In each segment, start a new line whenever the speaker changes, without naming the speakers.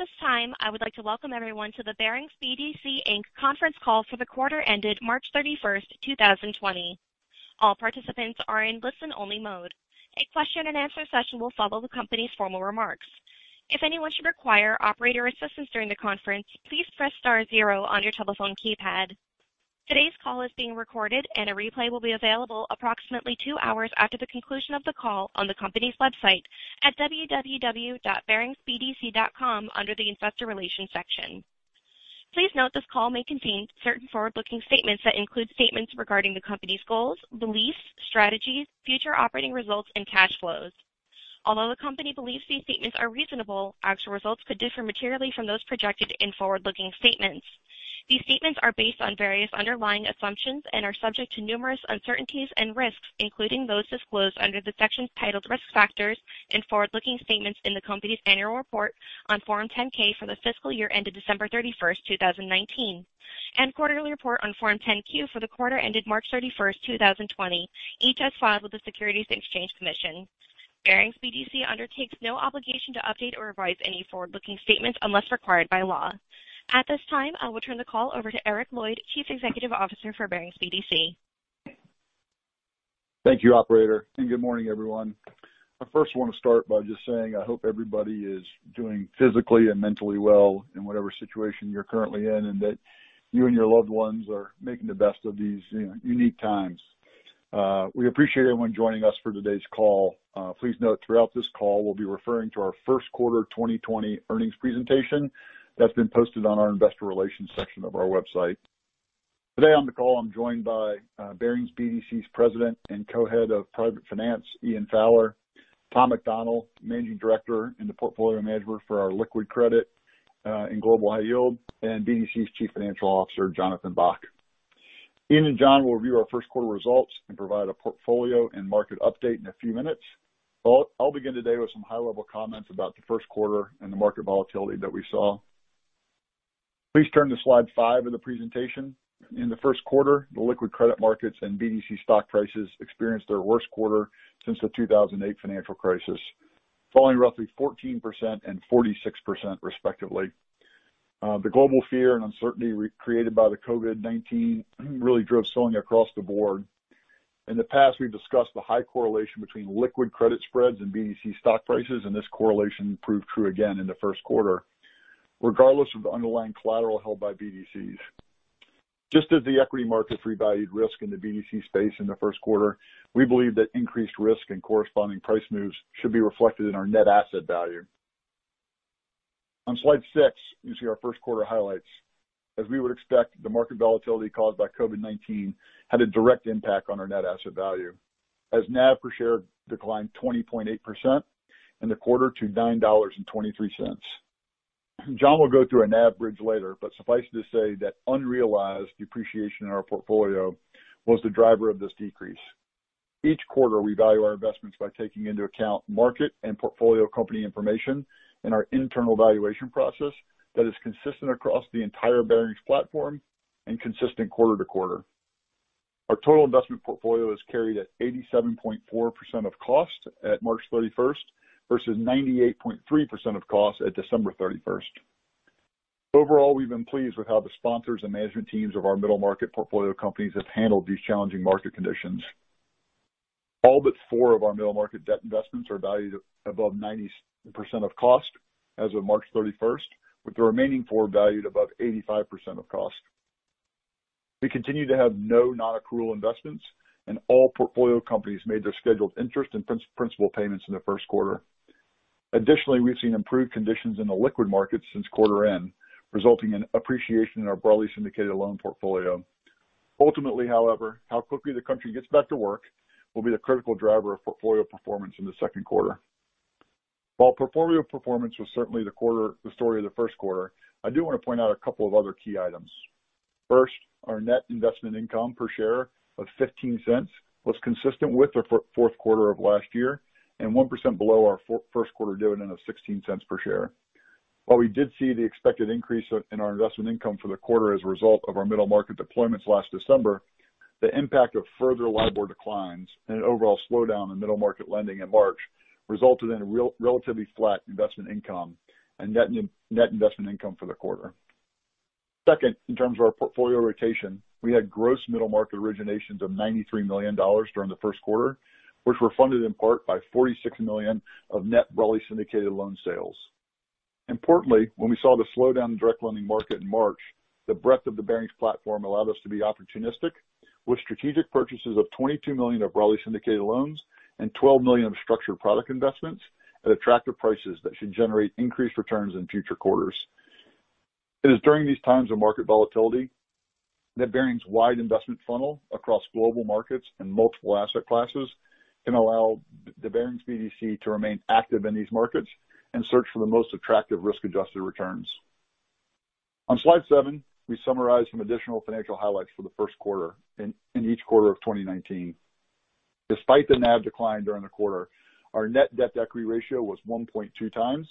At this time, I would like to welcome everyone to the Barings BDC, Inc. conference call for the quarter ended March 31st, 2020. All participants are in listen-only mode. A question-and-answer session will follow the company's formal remarks. If anyone should require operator assistance during the conference, please press star zero on your telephone keypad. Today's call is being recorded and a replay will be available approximately two hours after the conclusion of the call on the company's website at www.baringsbdc.com under the investor relations section. Please note this call may contain certain forward-looking statements that include statements regarding the company's goals, beliefs, strategies, future operating results, and cash flows. Although the company believes these statements are reasonable, actual results could differ materially from those projected in forward-looking statements. These statements are based on various underlying assumptions and are subject to numerous uncertainties and risks, including those disclosed under the sections titled Risk Factors and Forward-Looking Statements in the company's annual report on Form 10-K for the fiscal year ended December 31st, 2019, and quarterly report on Form 10-Q for the quarter ended March 31st, 2020, each as filed with the Securities and Exchange Commission. Barings BDC undertakes no obligation to update or revise any forward-looking statements unless required by law. At this time, I will turn the call over to Eric Lloyd, Chief Executive Officer for Barings BDC.
Thank you, operator. Good morning, everyone. I first want to start by just saying I hope everybody is doing physically and mentally well in whatever situation you're currently in, and that you and your loved ones are making the best of these unique times. We appreciate everyone joining us for today's call. Please note throughout this call, we'll be referring to our first quarter 2020 earnings presentation that's been posted on our investor relations section of our website. Today on the call, I'm joined by Barings BDC's President and Co-head of Private Finance, Ian Fowler, Tom McDonnell, Managing Director and the Portfolio Manager for our Liquid Credit and Global High Yield, and BDC's Chief Financial Officer, Jonathan Bock. Ian and Jon will review our first quarter results and provide a portfolio and market update in a few minutes. I'll begin today with some high-level comments about the first quarter and the market volatility that we saw. Please turn to slide five of the presentation. In the first quarter, the liquid credit markets and BDC stock prices experienced their worst quarter since the 2008 financial crisis, falling roughly 14% and 46% respectively. The global fear and uncertainty created by the COVID-19 really drove selling across the board. In the past, we've discussed the high correlation between liquid credit spreads and BDC stock prices. This correlation proved true again in the first quarter, regardless of the underlying collateral held by BDCs. Just as the equity market revalued risk in the BDC space in the first quarter, we believe that increased risk and corresponding price moves should be reflected in our net asset value. On slide six, you see our first-quarter highlights. As we would expect, the market volatility caused by COVID-19 had a direct impact on our net asset value, as NAV per share declined 20.8% in the quarter to $9.23. Jon will go through a NAV bridge later, but suffice it to say that unrealized depreciation in our portfolio was the driver of this decrease. Each quarter, we value our investments by taking into account market and portfolio company information in our internal valuation process that is consistent across the entire Barings platform and consistent quarter to quarter. Our total investment portfolio is carried at 87.4% of cost at March 31st versus 98.3% of cost at December 31st. Overall, we've been pleased with how the sponsors and management teams of our middle market portfolio companies have handled these challenging market conditions. All but four of our middle market debt investments are valued above 90% of cost as of March 31st, with the remaining four valued above 85% of cost. We continue to have no non-accrual investments, and all portfolio companies made their scheduled interest and principal payments in the first quarter. Additionally, we've seen improved conditions in the liquid market since quarter end, resulting in appreciation in our broadly syndicated loan portfolio. Ultimately, however, how quickly the country gets back to work will be the critical driver of portfolio performance in the second quarter. While portfolio performance was certainly the story of the first quarter, I do want to point out a couple of other key items. First, our net investment income per share of $0.15 was consistent with the fourth quarter of last year and 1% below our first quarter dividend of $0.16 per share. We did see the expected increase in our investment income for the quarter as a result of our middle market deployments last December, the impact of further LIBOR declines and an overall slowdown in middle market lending in March resulted in relatively flat investment income and net investment income for the quarter. Second, in terms of our portfolio rotation, we had gross middle market originations of $93 million during the first quarter, which were funded in part by $46 million of net broadly syndicated loan sales. Importantly, when we saw the slowdown in the direct lending market in March, the breadth of the Barings platform allowed us to be opportunistic with strategic purchases of $22 million of broadly syndicated loans and $12 million of structured product investments at attractive prices that should generate increased returns in future quarters. It is during these times of market volatility that Barings' wide investment funnel across global markets and multiple asset classes can allow the Barings BDC to remain active in these markets and search for the most attractive risk-adjusted returns. On slide seven, we summarize some additional financial highlights for the first quarter and in each quarter of 2019. Despite the NAV decline during the quarter, our net debt-to-equity ratio was 1.2x,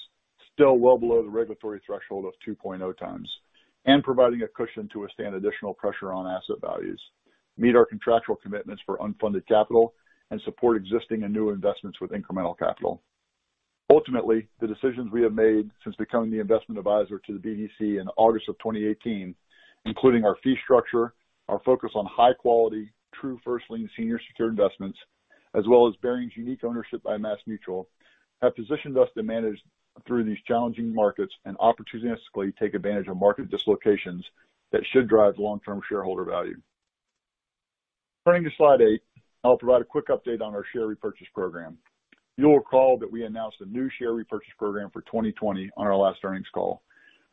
still well below the regulatory threshold of 2.0x, and providing a cushion to withstand additional pressure on asset values. Meet our contractual commitments for unfunded capital and support existing and new investments with incremental capital. Ultimately, the decisions we have made since becoming the investment advisor to the BDC in August of 2018, including our fee structure, our focus on high quality, true first lien senior secured investments, as well as Barings' unique ownership by MassMutual, have positioned us to manage through these challenging markets and opportunistically take advantage of market dislocations that should drive long-term shareholder value. Turning to slide eight, I'll provide a quick update on our share repurchase program. You'll recall that we announced a new share repurchase program for 2020 on our last earnings call,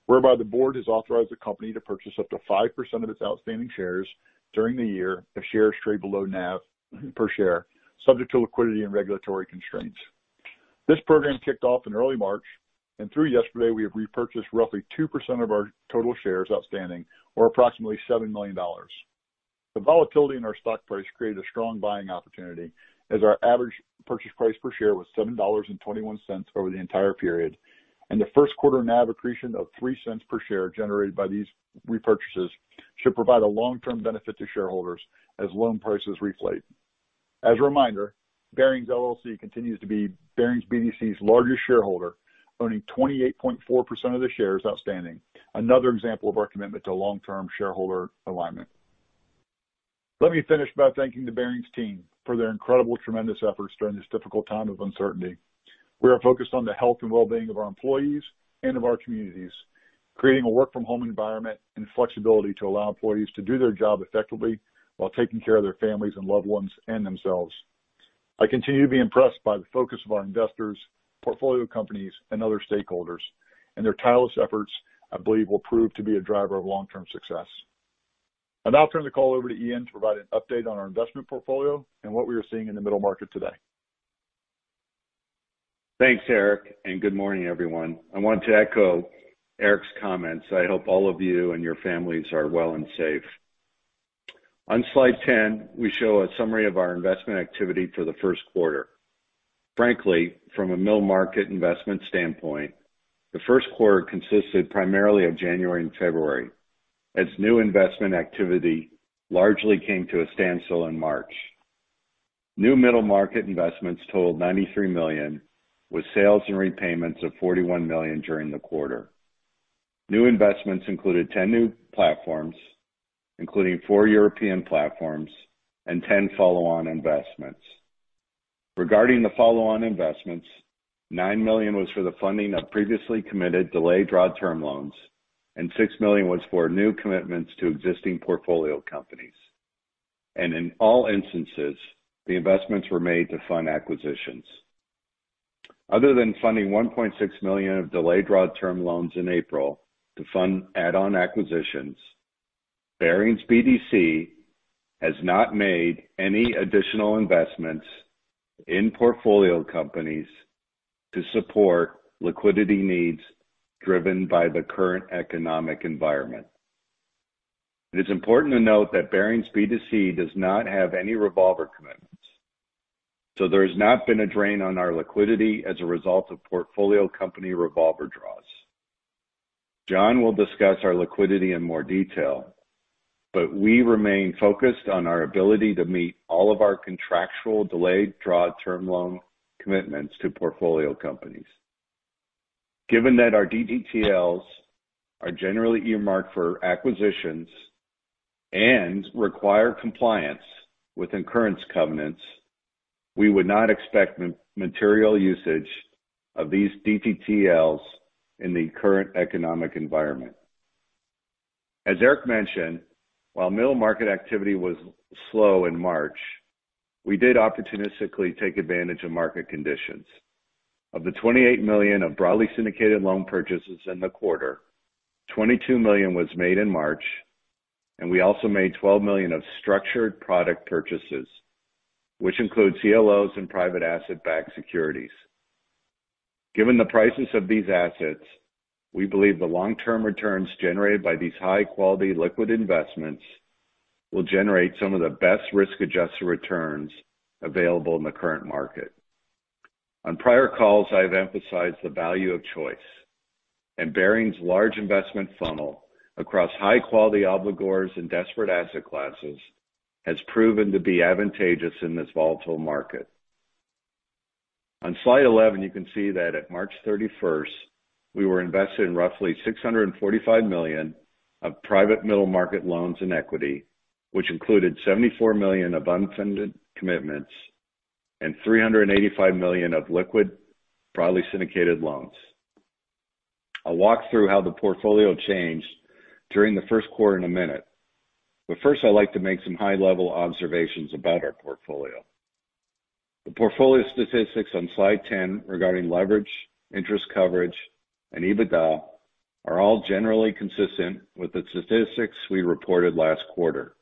whereby the board has authorized the company to purchase up to 5% of its outstanding shares during the year if shares trade below NAV per share, subject to liquidity and regulatory constraints. Through yesterday, we have repurchased roughly 2% of our total shares outstanding, or approximately $7 million. The volatility in our stock price created a strong buying opportunity as our average purchase price per share was $7.21 over the entire period, and the first quarter NAV accretion of $0.03 per share generated by these repurchases should provide a long-term benefit to shareholders as loan prices reflate. As a reminder, Barings LLC continues to be Barings BDC's largest shareholder, owning 28.4% of the shares outstanding. Another example of our commitment to long-term shareholder alignment. Let me finish by thanking the Barings team for their incredible, tremendous efforts during this difficult time of uncertainty. We are focused on the health and well-being of our employees and of our communities, creating a work-from-home environment and flexibility to allow employees to do their job effectively while taking care of their families and loved ones and themselves. I continue to be impressed by the focus of our investors, portfolio companies, and other stakeholders, and their tireless efforts, I believe, will prove to be a driver of long-term success. I'll now turn the call over to Ian to provide an update on our investment portfolio and what we are seeing in the middle market today.
Thanks, Eric, and good morning, everyone. I want to echo Eric's comments. I hope all of you and your families are well and safe. On slide 10, we show a summary of our investment activity for the first quarter. Frankly, from a middle market investment standpoint, the first quarter consisted primarily of January and February, as new investment activity largely came to a standstill in March. New middle market investments totaled $93 million, with sales and repayments of $41 million during the quarter. New investments included 10 new platforms, including four European platforms and 10 follow-on investments. Regarding the follow-on investments, $9 million was for the funding of previously committed delayed draw term loans, and $6 million was for new commitments to existing portfolio companies. In all instances, the investments were made to fund acquisitions. Other than funding $1.6 million of delayed draw term loans in April to fund add-on acquisitions, Barings BDC has not made any additional investments in portfolio companies to support liquidity needs driven by the current economic environment. It is important to note that Barings BDC does not have any revolver commitments, so there has not been a drain on our liquidity as a result of portfolio company revolver draws. Jon will discuss our liquidity in more detail, but we remain focused on our ability to meet all of our contractual delayed draw term loan commitments to portfolio companies. Given that our DDTLs are generally earmarked for acquisitions and require compliance with incurrence covenants, we would not expect material usage of these DDTLs in the current economic environment. As Eric mentioned, while middle market activity was slow in March, we did opportunistically take advantage of market conditions. Of the $28 million of broadly syndicated loan purchases in the quarter, $22 million was made in March. We also made $12 million of structured product purchases, which include CLOs and private asset-backed securities. Given the prices of these assets, we believe the long-term returns generated by these high-quality liquid investments will generate some of the best risk-adjusted returns available in the current market. On prior calls, I have emphasized the value of choice, and Barings' large investment funnel across high-quality obligors and disparate asset classes has proven to be advantageous in this volatile market. On slide 11, you can see that at March 31st, we were invested in roughly $645 million of private middle market loans and equity, which included $74 million of unfunded commitments and $385 million of liquid broadly syndicated loans. I'll walk through how the portfolio changed during the first quarter in a minute, but first, I'd like to make some high-level observations about our portfolio. The portfolio statistics on slide 10 regarding leverage, interest coverage, and EBITDA are all generally consistent with the statistics we reported last quarter.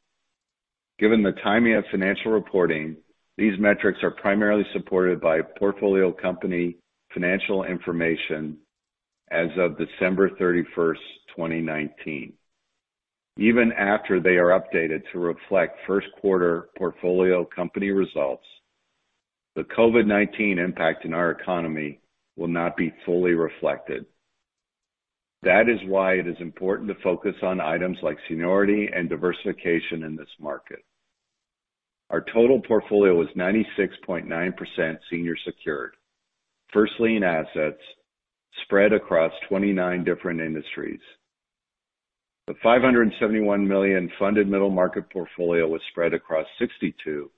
Given the timing of financial reporting, these metrics are primarily supported by portfolio company financial information as of December 31st, 2019. Even after they are updated to reflect first quarter portfolio company results, the COVID-19 impact in our economy will not be fully reflected. That is why it is important to focus on items like seniority and diversification in this market. Our total portfolio was 96.9% senior secured. First lien assets spread across 29 different industries. The $571 million funded middle market portfolio was spread across 62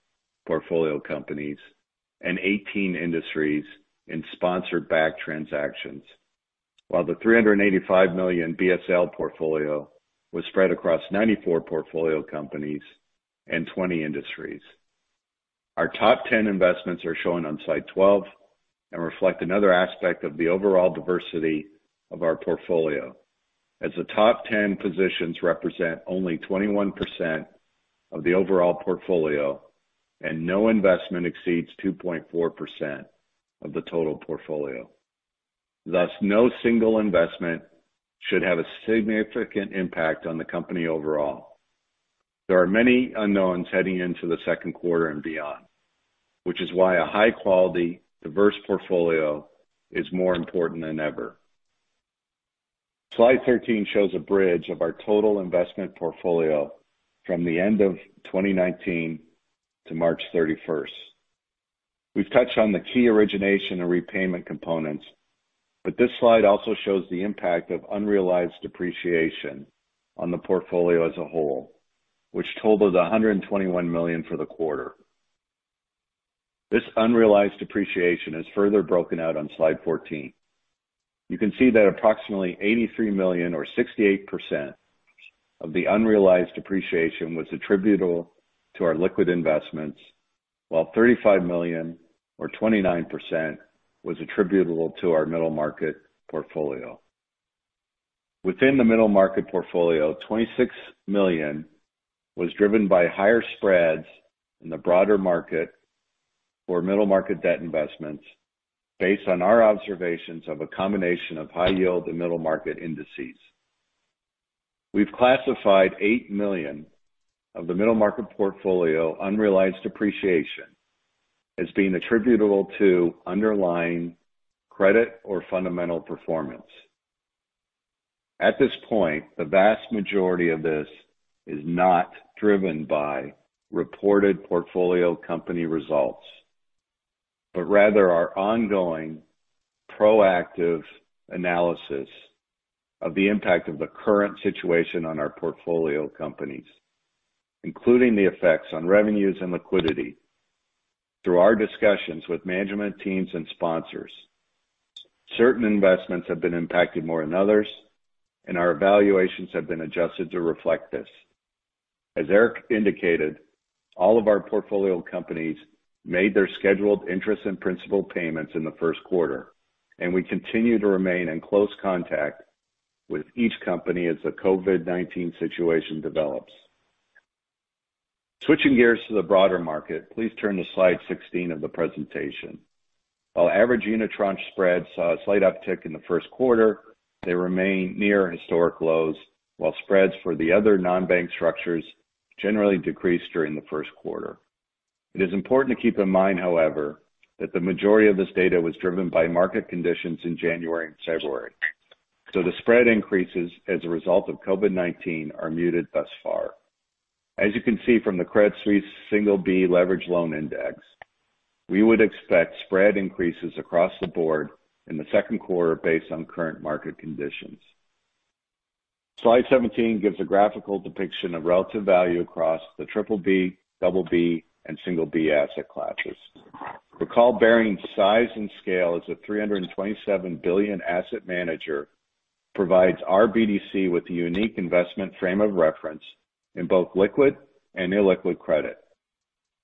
portfolio companies and 18 industries in sponsored backed transactions. While the $385 million BSL portfolio was spread across 94 portfolio companies and 20 industries. Our top 10 investments are shown on slide 12 and reflect another aspect of the overall diversity of our portfolio, as the top 10 positions represent only 21% of the overall portfolio, and no investment exceeds 2.4% of the total portfolio. Thus, no single investment should have a significant impact on the company overall. There are many unknowns heading into the second quarter and beyond, which is why a high-quality, diverse portfolio is more important than ever. Slide 13 shows a bridge of our total investment portfolio from the end of 2019 to March 31st. We've touched on the key origination and repayment components, but this slide also shows the impact of unrealized depreciation on the portfolio as a whole, which totals $121 million for the quarter. This unrealized depreciation is further broken out on slide 14. You can see that approximately $83 million or 68% of the unrealized depreciation was attributable to our liquid investments, while $35 million or 29% was attributable to our middle market portfolio. Within the middle market portfolio, $26 million was driven by higher spreads in the broader market for middle market debt investments based on our observations of a combination of high yield and middle market indices. We've classified $8 million of the middle market portfolio unrealized depreciation as being attributable to underlying credit or fundamental performance. At this point, the vast majority of this is not driven by reported portfolio company results, but rather our ongoing proactive analysis of the impact of the current situation on our portfolio companies, including the effects on revenues and liquidity through our discussions with management teams and sponsors. Certain investments have been impacted more than others, and our evaluations have been adjusted to reflect this. As Eric indicated, all of our portfolio companies made their scheduled interest and principal payments in the first quarter, and we continue to remain in close contact with each company as the COVID-19 situation develops. Switching gears to the broader market, please turn to slide 16 of the presentation. While average unitranche spreads saw a slight uptick in the first quarter, they remain near historic lows, while spreads for the other non-bank structures generally decreased during the first quarter. It is important to keep in mind, however, that the majority of this data was driven by market conditions in January and February, so the spread increases as a result of COVID-19 are muted thus far. As you can see from the Credit Suisse Single B Leveraged Loan Index, we would expect spread increases across the board in the second quarter based on current market conditions. Slide 17 gives a graphical depiction of relative value across the BBB, BB, and B asset classes. Recall, Barings' size and scale as a $327 billion asset manager provides our BDC with a unique investment frame of reference in both liquid and illiquid credit.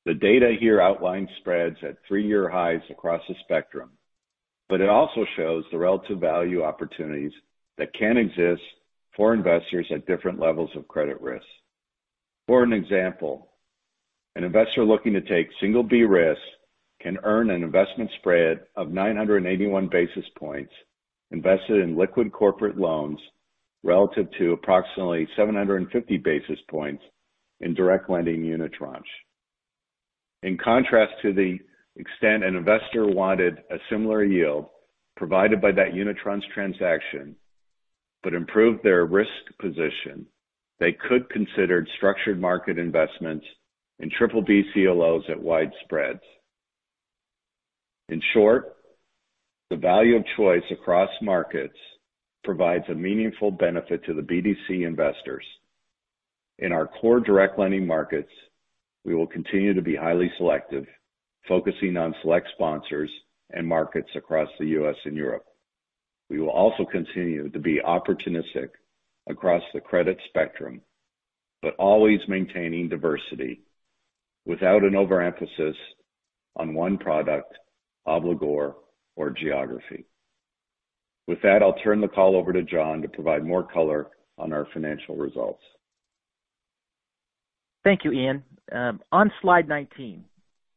The data here outlines spreads at three year highs across the spectrum, but it also shows the relative value opportunities that can exist for investors at different levels of credit risk. For an example, an investor looking to take single B risks can earn an investment spread of 981 basis points invested in liquid corporate loans relative to approximately 750 basis points in direct lending unitranche. In contrast to the extent an investor wanted a similar yield provided by that unitranche transaction but improve their risk position, they could consider structured market investments in BBB CLOs at wide spreads. In short, the value of choice across markets provides a meaningful benefit to the BDC investors. In our core direct lending markets, we will continue to be highly selective, focusing on select sponsors and markets across the U.S. and Europe. We will also continue to be opportunistic across the credit spectrum, but always maintaining diversity without an overemphasis on one product, obligor, or geography. With that, I'll turn the call over to Jon to provide more color on our financial results.
Thank you, Ian. On slide 19,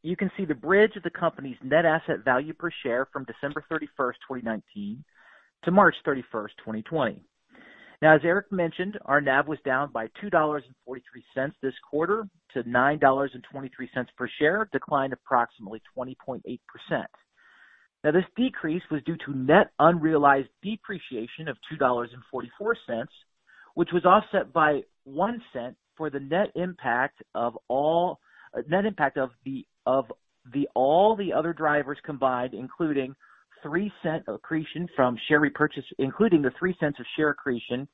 you can see the bridge of the company's net asset value per share from December 31st, 2019, to March 31st, 2020. As Eric mentioned, our NAV was down by $2.43 this quarter to $9.23 per share, a decline of approximately 20.8%. This decrease was due to net unrealized depreciation of $2.44, which was offset by $0.01 for the net impact of all the other drivers combined, including the $0.03 of share accretion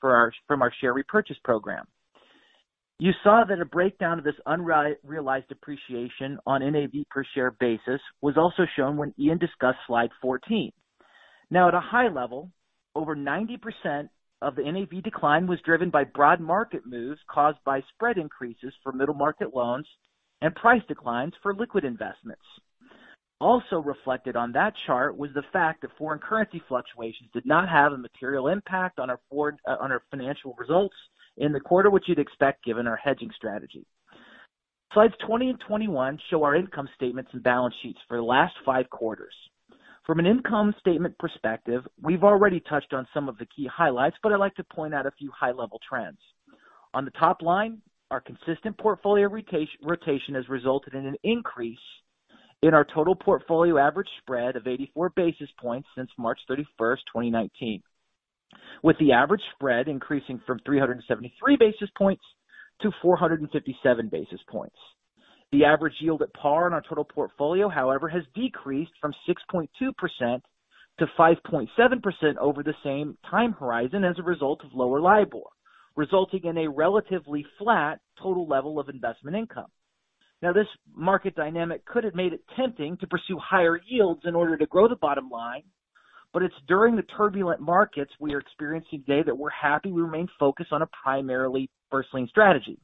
from our share repurchase program. You saw that a breakdown of this unrealized depreciation on NAV per share basis was also shown when Ian discussed slide 14. At a high level, over 90% of the NAV decline was driven by broad market moves caused by spread increases for middle market loans and price declines for liquid investments. Also reflected on that chart was the fact that foreign currency fluctuations did not have a material impact on our financial results in the quarter, which you'd expect given our hedging strategy. Slides 20 and 21 show our income statements and balance sheets for the last five quarters. From an income statement perspective, we've already touched on some of the key highlights, but I'd like to point out a few high-level trends. On the top line, our consistent portfolio rotation has resulted in an increase in our total portfolio average spread of 84 basis points since March 31st, 2019, with the average spread increasing from 373 basis points to 457 basis points. The average yield at par in our total portfolio, however, has decreased from 6.2% to 5.7% over the same time horizon as a result of lower LIBOR, resulting in a relatively flat total level of investment income. This market dynamic could have made it tempting to pursue higher yields in order to grow the bottom line, but it's during the turbulent markets we are experiencing today that we're happy we remain focused on a primarily first lien strategy.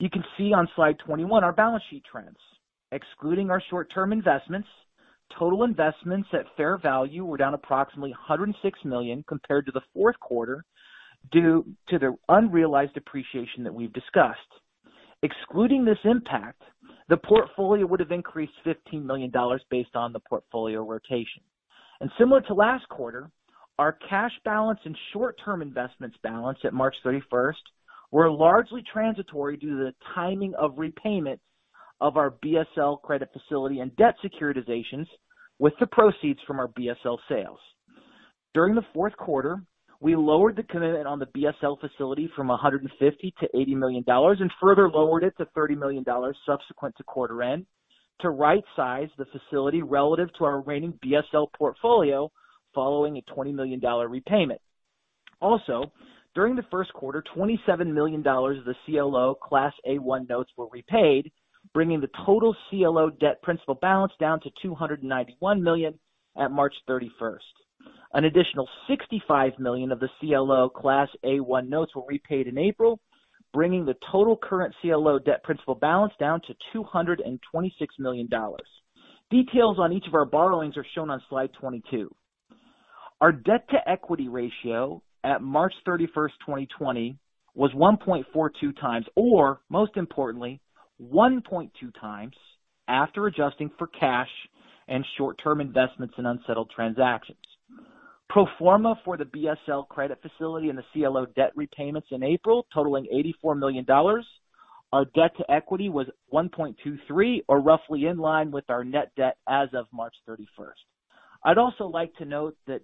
You can see on slide 21 our balance sheet trends. Excluding our short-term investments, total investments at fair value were down approximately $106 million compared to the fourth quarter due to the unrealized appreciation that we've discussed. Excluding this impact, the portfolio would have increased $15 million based on the portfolio rotation. Similar to last quarter, our cash balance and short-term investments balance at March 31st were largely transitory due to the timing of repayment of our BSL credit facility and debt securitizations with the proceeds from our BSL sales. During the fourth quarter, we lowered the commitment on the BSL facility from $150 to $80 million and further lowered it to $30 million subsequent to quarter end to rightsize the facility relative to our remaining BSL portfolio following a $20 million repayment. During the first quarter, $27 million of the CLO Class A-1 notes were repaid, bringing the total CLO debt principal balance down to $291 million at March 31st. An additional $65 million of the CLO Class A-1 notes were repaid in April, bringing the total current CLO debt principal balance down to $226 million. Details on each of our borrowings are shown on slide 22. Our debt-to-equity ratio at March 31st, 2020, was 1.42 times, or most importantly, 1.2 times after adjusting for cash and short-term investments in unsettled transactions. Pro forma for the BSL credit facility and the CLO debt repayments in April totaling $84 million, our debt to equity was 1.23 or roughly in line with our net debt as of March 31st. I'd also like to note that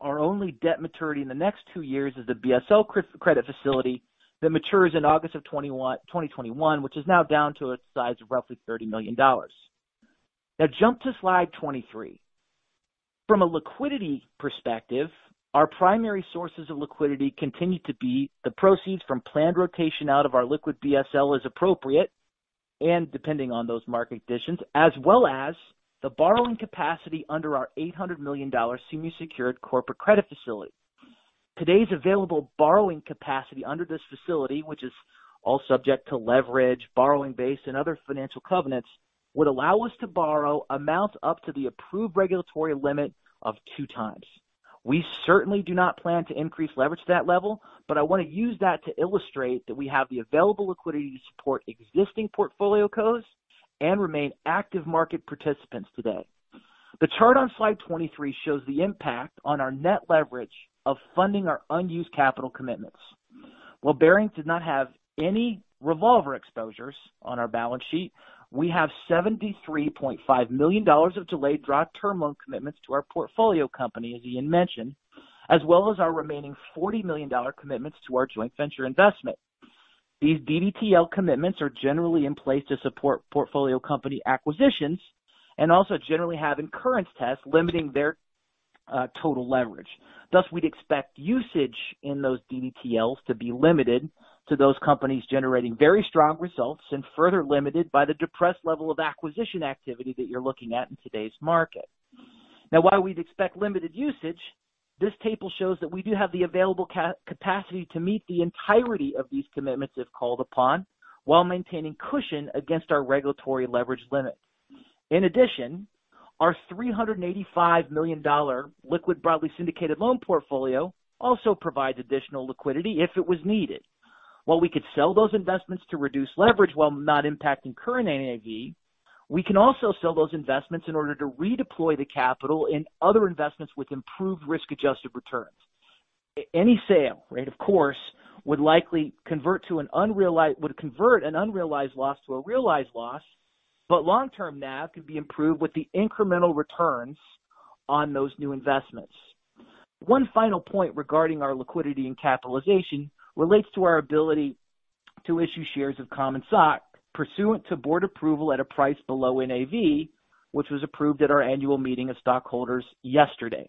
our only debt maturity in the next two years is the BSL credit facility that matures in August of 2021, which is now down to a size of roughly $30 million. Now jump to slide 23. From a liquidity perspective, our primary sources of liquidity continue to be the proceeds from planned rotation out of our liquid BSL as appropriate, and depending on those market conditions, as well as the borrowing capacity under our $800 million senior secured corporate credit facility. Today's available borrowing capacity under this facility, which is all subject to leverage, borrowing base, and other financial covenants, would allow us to borrow amounts up to the approved regulatory limit of two times. We certainly do not plan to increase leverage to that level, but I want to use that to illustrate that we have the available liquidity to support existing portfolio cos and remain active market participants today. The chart on slide 23 shows the impact on our net leverage of funding our unused capital commitments. While Barings does not have any revolver exposures on our balance sheet, we have $73.5 million of delayed draw term loan commitments to our portfolio company, as Ian mentioned, as well as our remaining $40 million commitments to our joint venture investment. These DDTL commitments are generally in place to support portfolio company acquisitions and also generally have incurrence tests limiting their total leverage. Thus, we'd expect usage in those DDTLs to be limited to those companies generating very strong results and further limited by the depressed level of acquisition activity that you're looking at in today's market. While we'd expect limited usage, this table shows that we do have the available capacity to meet the entirety of these commitments if called upon while maintaining cushion against our regulatory leverage limits. In addition, our $385 million liquid broadly syndicated loan portfolio also provides additional liquidity if it was needed. While we could sell those investments to reduce leverage while not impacting current NAV, we can also sell those investments in order to redeploy the capital in other investments with improved risk-adjusted returns. Any sale, of course, would convert an unrealized loss to a realized loss, but long-term NAV could be improved with the incremental returns on those new investments. One final point regarding our liquidity and capitalization relates to our ability to issue shares of common stock pursuant to board approval at a price below NAV, which was approved at our annual meeting of stockholders yesterday.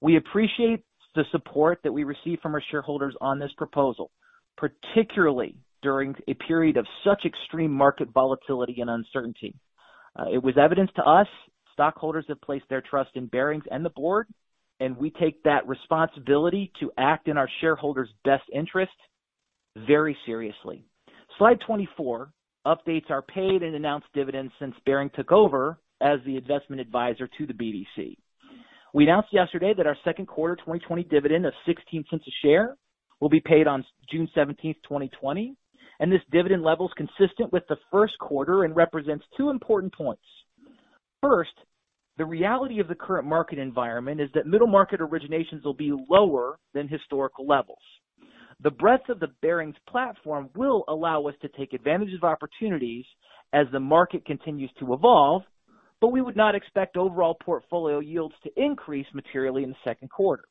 We appreciate the support that we received from our shareholders on this proposal, particularly during a period of such extreme market volatility and uncertainty. It was evidence to us, stockholders have placed their trust in Barings and the board, and we take that responsibility to act in our shareholders' best interest very seriously. Slide 24 updates our paid and announced dividends since Barings took over as the investment advisor to the BDC. We announced yesterday that our second quarter 2020 dividend of $0.16 a share will be paid on June 17th, 2020. This dividend level is consistent with the first quarter and represents two important points. First, the reality of the current market environment is that middle market originations will be lower than historical levels. The breadth of the Barings platform will allow us to take advantage of opportunities as the market continues to evolve, but we would not expect overall portfolio yields to increase materially in the second quarter.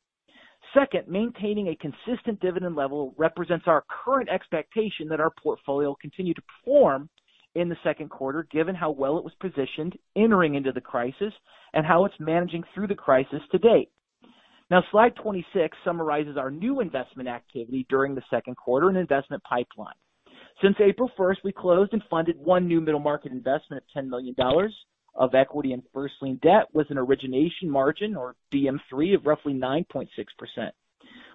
Second, maintaining a consistent dividend level represents our current expectation that our portfolio continue to perform in the second quarter, given how well it was positioned entering into the crisis and how it's managing through the crisis to date. Now, slide 26 summarizes our new investment activity during the second quarter and investment pipeline. Since April 1st, we closed and funded one new middle market investment of $10 million of equity and first lien debt with an origination margin or DM3 of roughly 9.6%.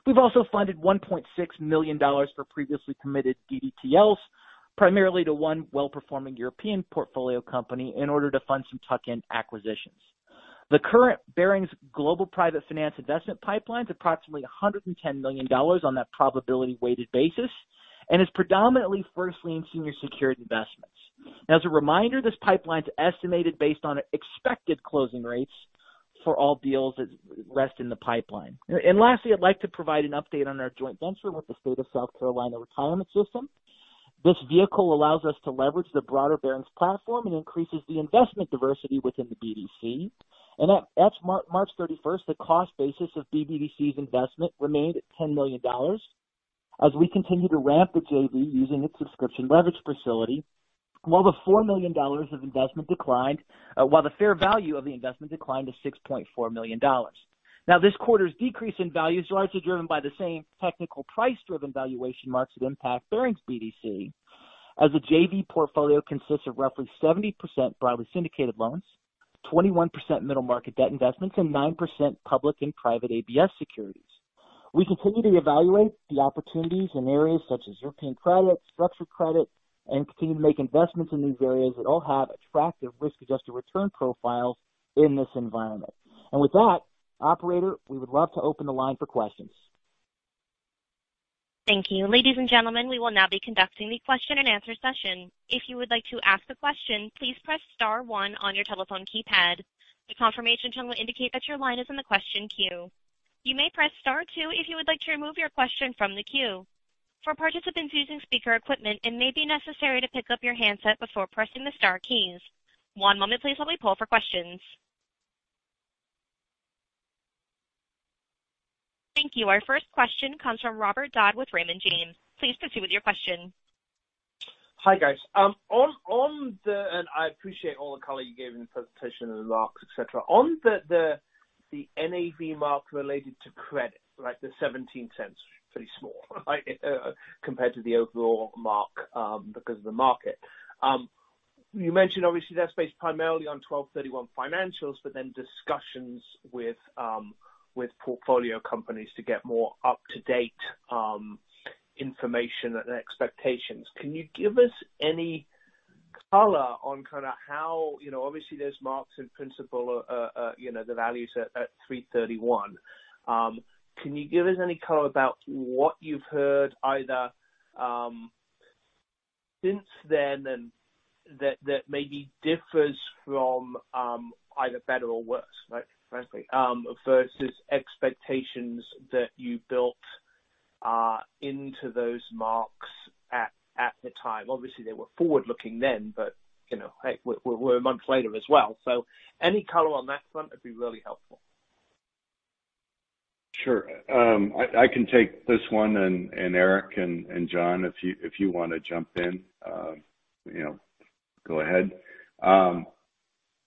We've also funded $1.6 million for previously committed DDTLs, primarily to one well-performing European portfolio company in order to fund some tuck-in acquisitions. The current Barings global private finance investment pipeline is approximately $110 million on that probability-weighted basis and is predominantly first lien senior secured investments. As a reminder, this pipeline is estimated based on expected closing rates for all deals that rest in the pipeline. Lastly, I'd like to provide an update on our joint venture with the State of South Carolina Retirement System. This vehicle allows us to leverage the broader Barings platform and increases the investment diversity within the BDC. At March 31st, the cost basis of BDC's investment remained at $10 million. As we continue to ramp the JV using its subscription leverage facility, more than $4 million of investment declined, while the fair value of the investment declined to $6.4 million. Now this quarter's decrease in value is largely driven by the same technical price-driven valuation marks that impact Barings BDC, as the JV portfolio consists of roughly 70% broadly syndicated loans, 21% middle market debt investments, and 9% public and private ABS securities. We continue to evaluate the opportunities in areas such as European credit, structured credit, and continue to make investments in these areas that all have attractive risk-adjusted return profiles in this environment. With that, operator, we would love to open the line for questions.
Thank you. Ladies and gentlemen, we will now be conducting the question-and-answer session. If you would like to ask a question, please press star one on your telephone keypad. The confirmation tone will indicate that your line is in the question queue. You may press star two if you would like to remove your question from the queue. For participants using speaker equipment, it may be necessary to pick up your handset before pressing the star keys. One moment please while we poll for questions. Thank you. Our first question comes from Robert Dodd with Raymond James. Please proceed with your question.
Hi, guys. I appreciate all the color you gave in the presentation and the marks, et cetera. On the NAV mark related to credit, like the $0.17, pretty small, right? Compared to the overall mark because of the market. You mentioned obviously that's based primarily on 12/31 financials, but then discussions with portfolio companies to get more up-to-date information and expectations. Can you give us any color on kind of how obviously there's marks in principle, the values at 3/31. Can you give us any color about what you've heard either since then and that maybe differs from either better or worse, frankly, versus expectations that you built into those marks at the time? Obviously, they were forward-looking then, but we're months later as well. Any color on that front would be really helpful.
Sure. I can take this one. Eric and Jon, if you want to jump in, go ahead.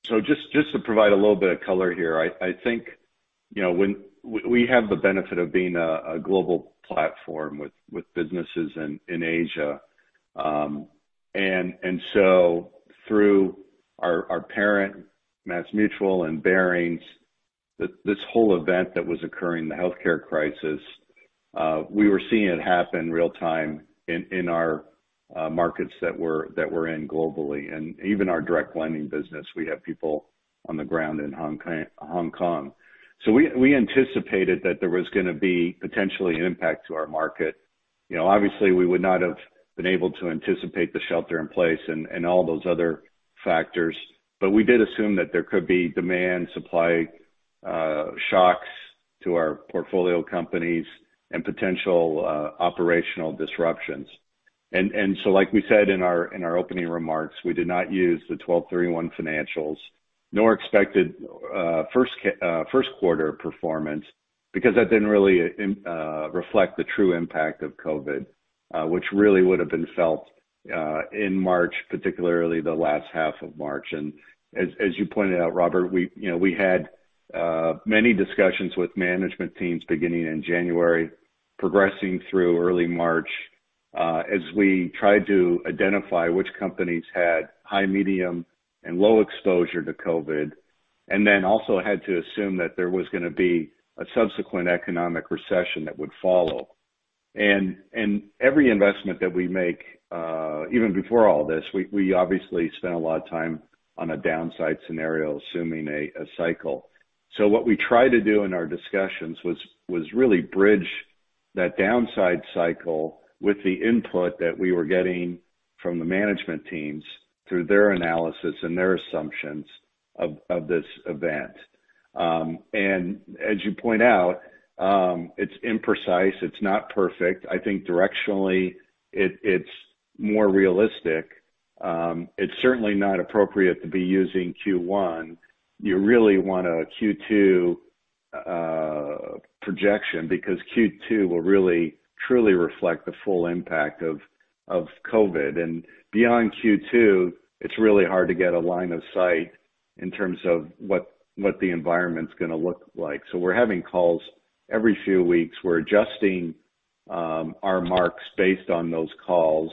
Just to provide a little bit of color here, I think we have the benefit of being a global platform with businesses in Asia. Through our parent, MassMutual and Barings, this whole event that was occurring, the healthcare crisis, we were seeing it happen real-time in our. markets that we're in globally, and even our direct lending business, we have people on the ground in Hong Kong. We anticipated that there was going to be potentially an impact to our market. Obviously, we would not have been able to anticipate the shelter in place and all those other factors, but we did assume that there could be demand, supply shocks to our portfolio companies and potential operational disruptions. Like we said in our opening remarks, we did not use the 12/31 financials nor expected first quarter performance because that didn't really reflect the true impact of COVID-19, which really would have been felt in March, particularly the last half of March. As you pointed out, Robert, we had many discussions with management teams beginning in January, progressing through early March, as we tried to identify which companies had high, medium, and low exposure to COVID-19, and then also had to assume that there was going to be a subsequent economic recession that would follow. Every investment that we make, even before all this, we obviously spent a lot of time on a downside scenario, assuming a cycle. What we tried to do in our discussions was really bridge that downside cycle with the input that we were getting from the management teams through their analysis and their assumptions of this event. As you point out, it's imprecise. It's not perfect. I think directionally, it's more realistic. It's certainly not appropriate to be using Q1. You really want a Q2 projection because Q2 will really truly reflect the full impact of COVID-19. Beyond Q2, it's really hard to get a line of sight in terms of what the environment's going to look like. We're having calls every few weeks. We're adjusting our marks based on those calls.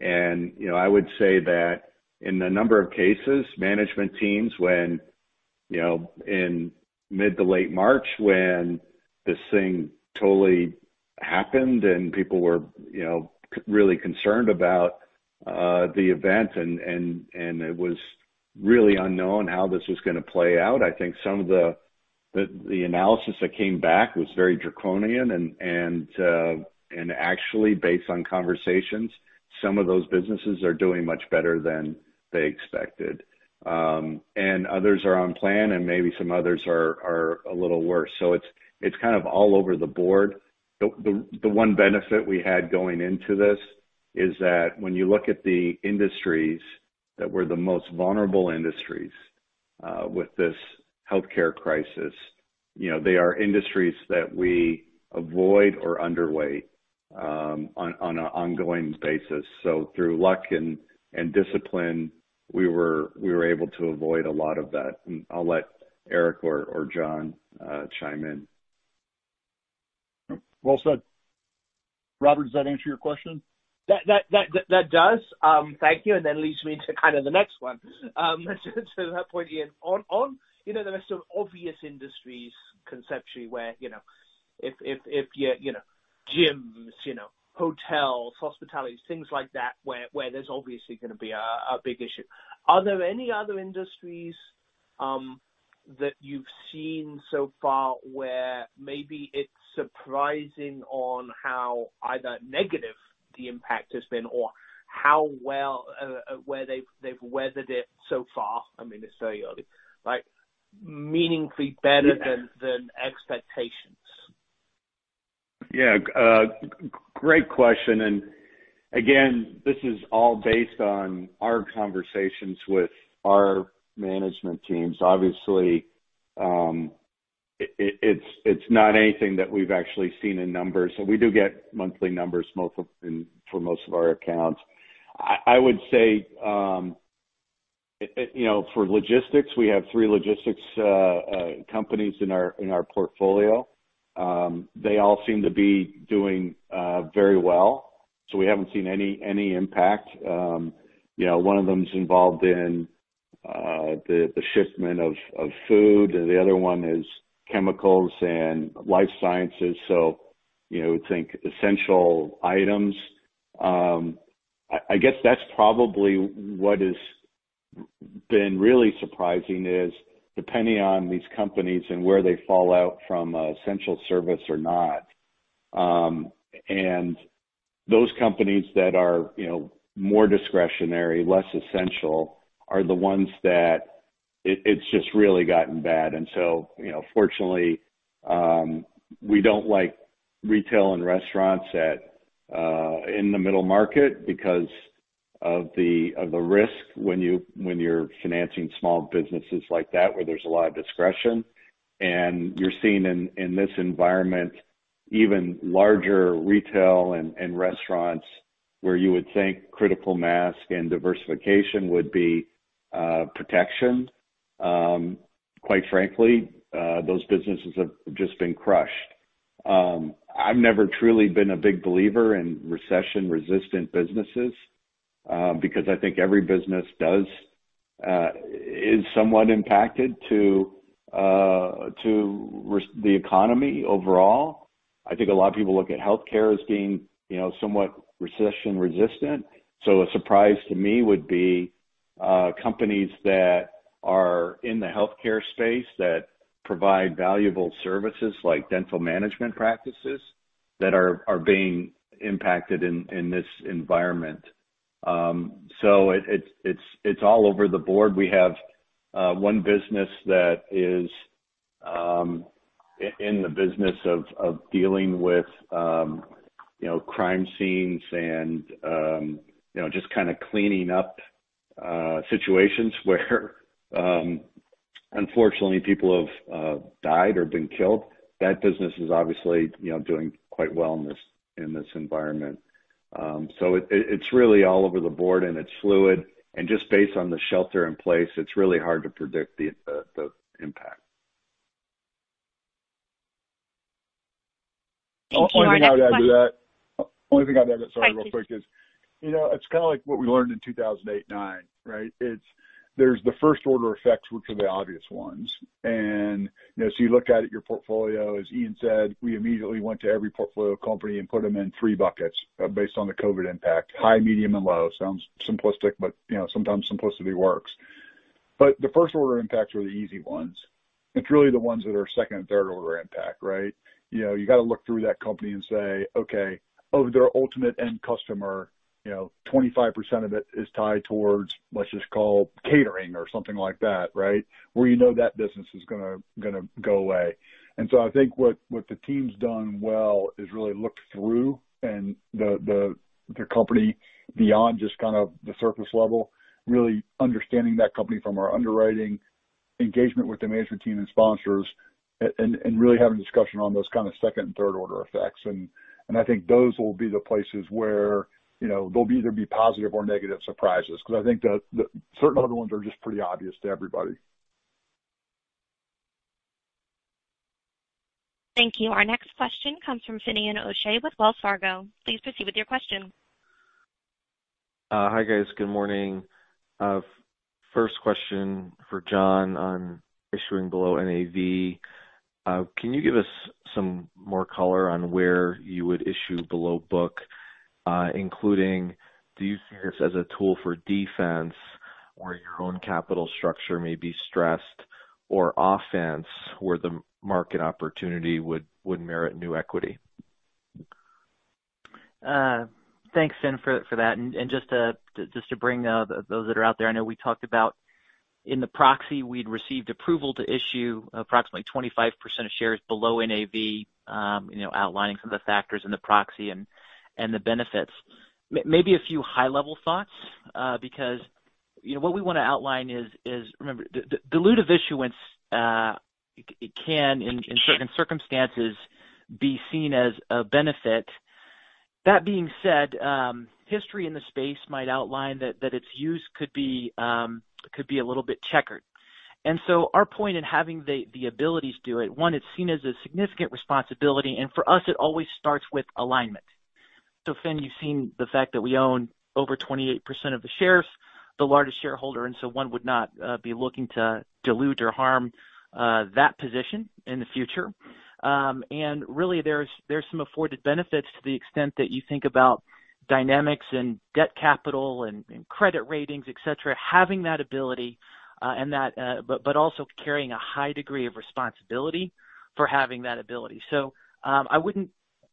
I would say that in a number of cases, management teams when, in mid to late March, when this thing totally happened and people were really concerned about the event, and it was really unknown how this was going to play out, I think some of the analysis that came back was very draconian. Actually, based on conversations, some of those businesses are doing much better than they expected. Others are on plan, and maybe some others are a little worse. It's kind of all over the board. The one benefit we had going into this is that when you look at the industries that were the most vulnerable industries with this healthcare crisis, they are industries that we avoid or underweight on an ongoing basis. Through luck and discipline, we were able to avoid a lot of that. I'll let Eric or Jon chime in.
Well said. Robert, does that answer your question?
That does. Thank you. That leads me to kind of the next one. To that point, Ian, on the rest of obvious industries conceptually where, gyms, hotels, hospitality, things like that, where there's obviously going to be a big issue, are there any other industries that you've seen so far where maybe it's surprising on how either negative the impact has been or how well, where they've weathered it so far? I mean, it's very early, like meaningfully better than expectations.
Yeah. Great question. Again, this is all based on our conversations with our management teams. Obviously, it's not anything that we've actually seen in numbers. We do get monthly numbers for most of our accounts. I would say, for logistics, we have three logistics companies in our portfolio. They all seem to be doing very well. We haven't seen any impact. One of them is involved in the shipment of food. The other one is chemicals and life sciences, so think essential items. I guess that's probably what has been really surprising is depending on these companies and where they fall out from essential service or not. Those companies that are more discretionary, less essential, are the ones that it's just really gotten bad. Fortunately, we don't like retail and restaurants in the middle market because of the risk when you're financing small businesses like that where there's a lot of discretion. You're seeing in this environment, even larger retail and restaurants where you would think critical mass and diversification would be protection. Quite frankly, those businesses have just been crushed. I've never truly been a big believer in recession-resistant businesses, because I think every business does is somewhat impacted to the economy overall. I think a lot of people look at healthcare as being somewhat recession-resistant. A surprise to me would be companies that are in the healthcare space that provide valuable services like dental management practices that are being impacted in this environment. It's all over the board. We have one business that is in the business of dealing with crime scenes and just kind of cleaning up situations where, unfortunately, people have died or been killed. That business is obviously doing quite well in this environment. It's really all over the board, and it's fluid. Just based on the shelter in place, it's really hard to predict the impact.
Thank you. Our next-.
Only thing I'd add to that, sorry, real quick, is it's kind of like what we learned in 2008 and 2009, right? There's the first order effects, which are the obvious ones. You look out at your portfolio, as Ian said, we immediately went to every portfolio company and put them in three buckets based on the COVID impact, high, medium, and low. Sounds simplistic, but sometimes simplicity works. The first-order impacts are the easy ones. It's really the ones that are second and third order impact, right? You got to look through that company and say, "Okay. Of their ultimate end customer, 25% of it is tied towards, let's just call, catering or something like that," right? Where you know that business is going to go away. I think what the team's done well is really looked through the company beyond just kind of the surface level, really understanding that company from our underwriting engagement with the management team and sponsors and really having a discussion on those kind of second and third order effects. I think those will be the places where they'll either be positive or negative surprises because I think that certain other ones are just pretty obvious to everybody.
Thank you. Our next question comes from Finian O'Shea with Wells Fargo. Please proceed with your question.
Hi, guys. Good morning. First question for Jon on issuing below NAV. Can you give us some more color on where you would issue below book, including do you see this as a tool for defense where your own capital structure may be stressed or offense where the market opportunity would merit new equity?
Thanks, Finian, for that. Just to bring those that are out there, I know we talked about in the proxy, we'd received approval to issue approximately 25% of shares below NAV, outlining some of the factors in the proxy and the benefits. Maybe a few high-level thoughts because what we want to outline is, remember, dilutive issuance can, in certain circumstances, be seen as a benefit. That being said, history in the space might outline that its use could be a little bit checkered. Our point in having the abilities do it, one, it's seen as a significant responsibility, and for us, it always starts with alignment. Finian, you've seen the fact that we own over 28% of the shares, the largest shareholder, one would not be looking to dilute or harm that position in the future. Really, there's some afforded benefits to the extent that you think about dynamics and debt capital and credit ratings, et cetera, having that ability but also carrying a high degree of responsibility for having that ability. I wouldn't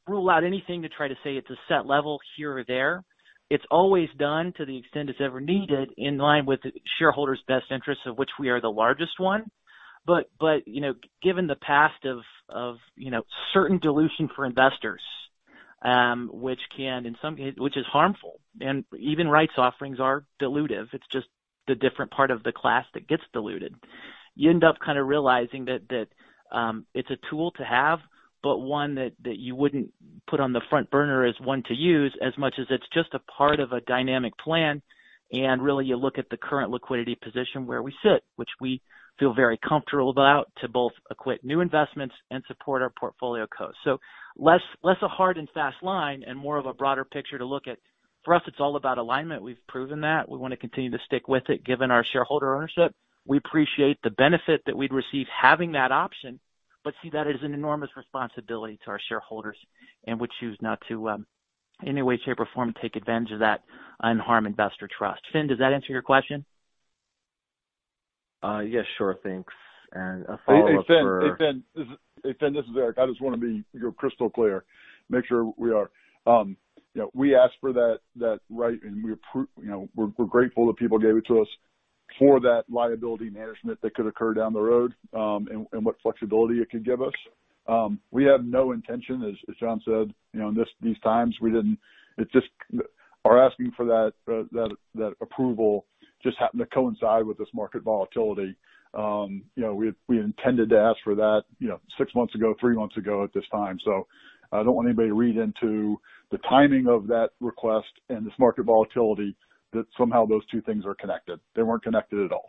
rule out anything to try to say it's a set level here or there. It's always done to the extent it's ever needed in line with shareholders' best interests, of which we are the largest one. Given the past of certain dilution for investors which is harmful, and even rights offerings are dilutive, it's just the different part of the class that gets diluted. You end up kind of realizing that it's a tool to have, but one that you wouldn't put on the front burner as one to use as much as it's just a part of a dynamic plan. Really, you look at the current liquidity position where we sit, which we feel very comfortable about to both acquire new investments and support our portfolio CLO. Less a hard and fast line and more of a broader picture to look at. For us, it's all about alignment. We've proven that. We want to continue to stick with it, given our shareholder ownership. We appreciate the benefit that we'd receive having that option, but see that as an enormous responsibility to our shareholders and would choose not to, in any way, shape, or form, take advantage of that and harm investor trust. Finn, does that answer your question?
Yes, sure. Thanks. A follow-up.
Hey, Finn. This is Eric. I just want to be crystal clear, make sure we are. We asked for that right, and we're grateful that people gave it to us for that liability management that could occur down the road and what flexibility it could give us. We have no intention, as Jon said, in these times. Our asking for that approval just happened to coincide with this market volatility. We intended to ask for that six months ago, three months ago at this time. I don't want anybody to read into the timing of that request and this market volatility that somehow those two things are connected. They weren't connected at all.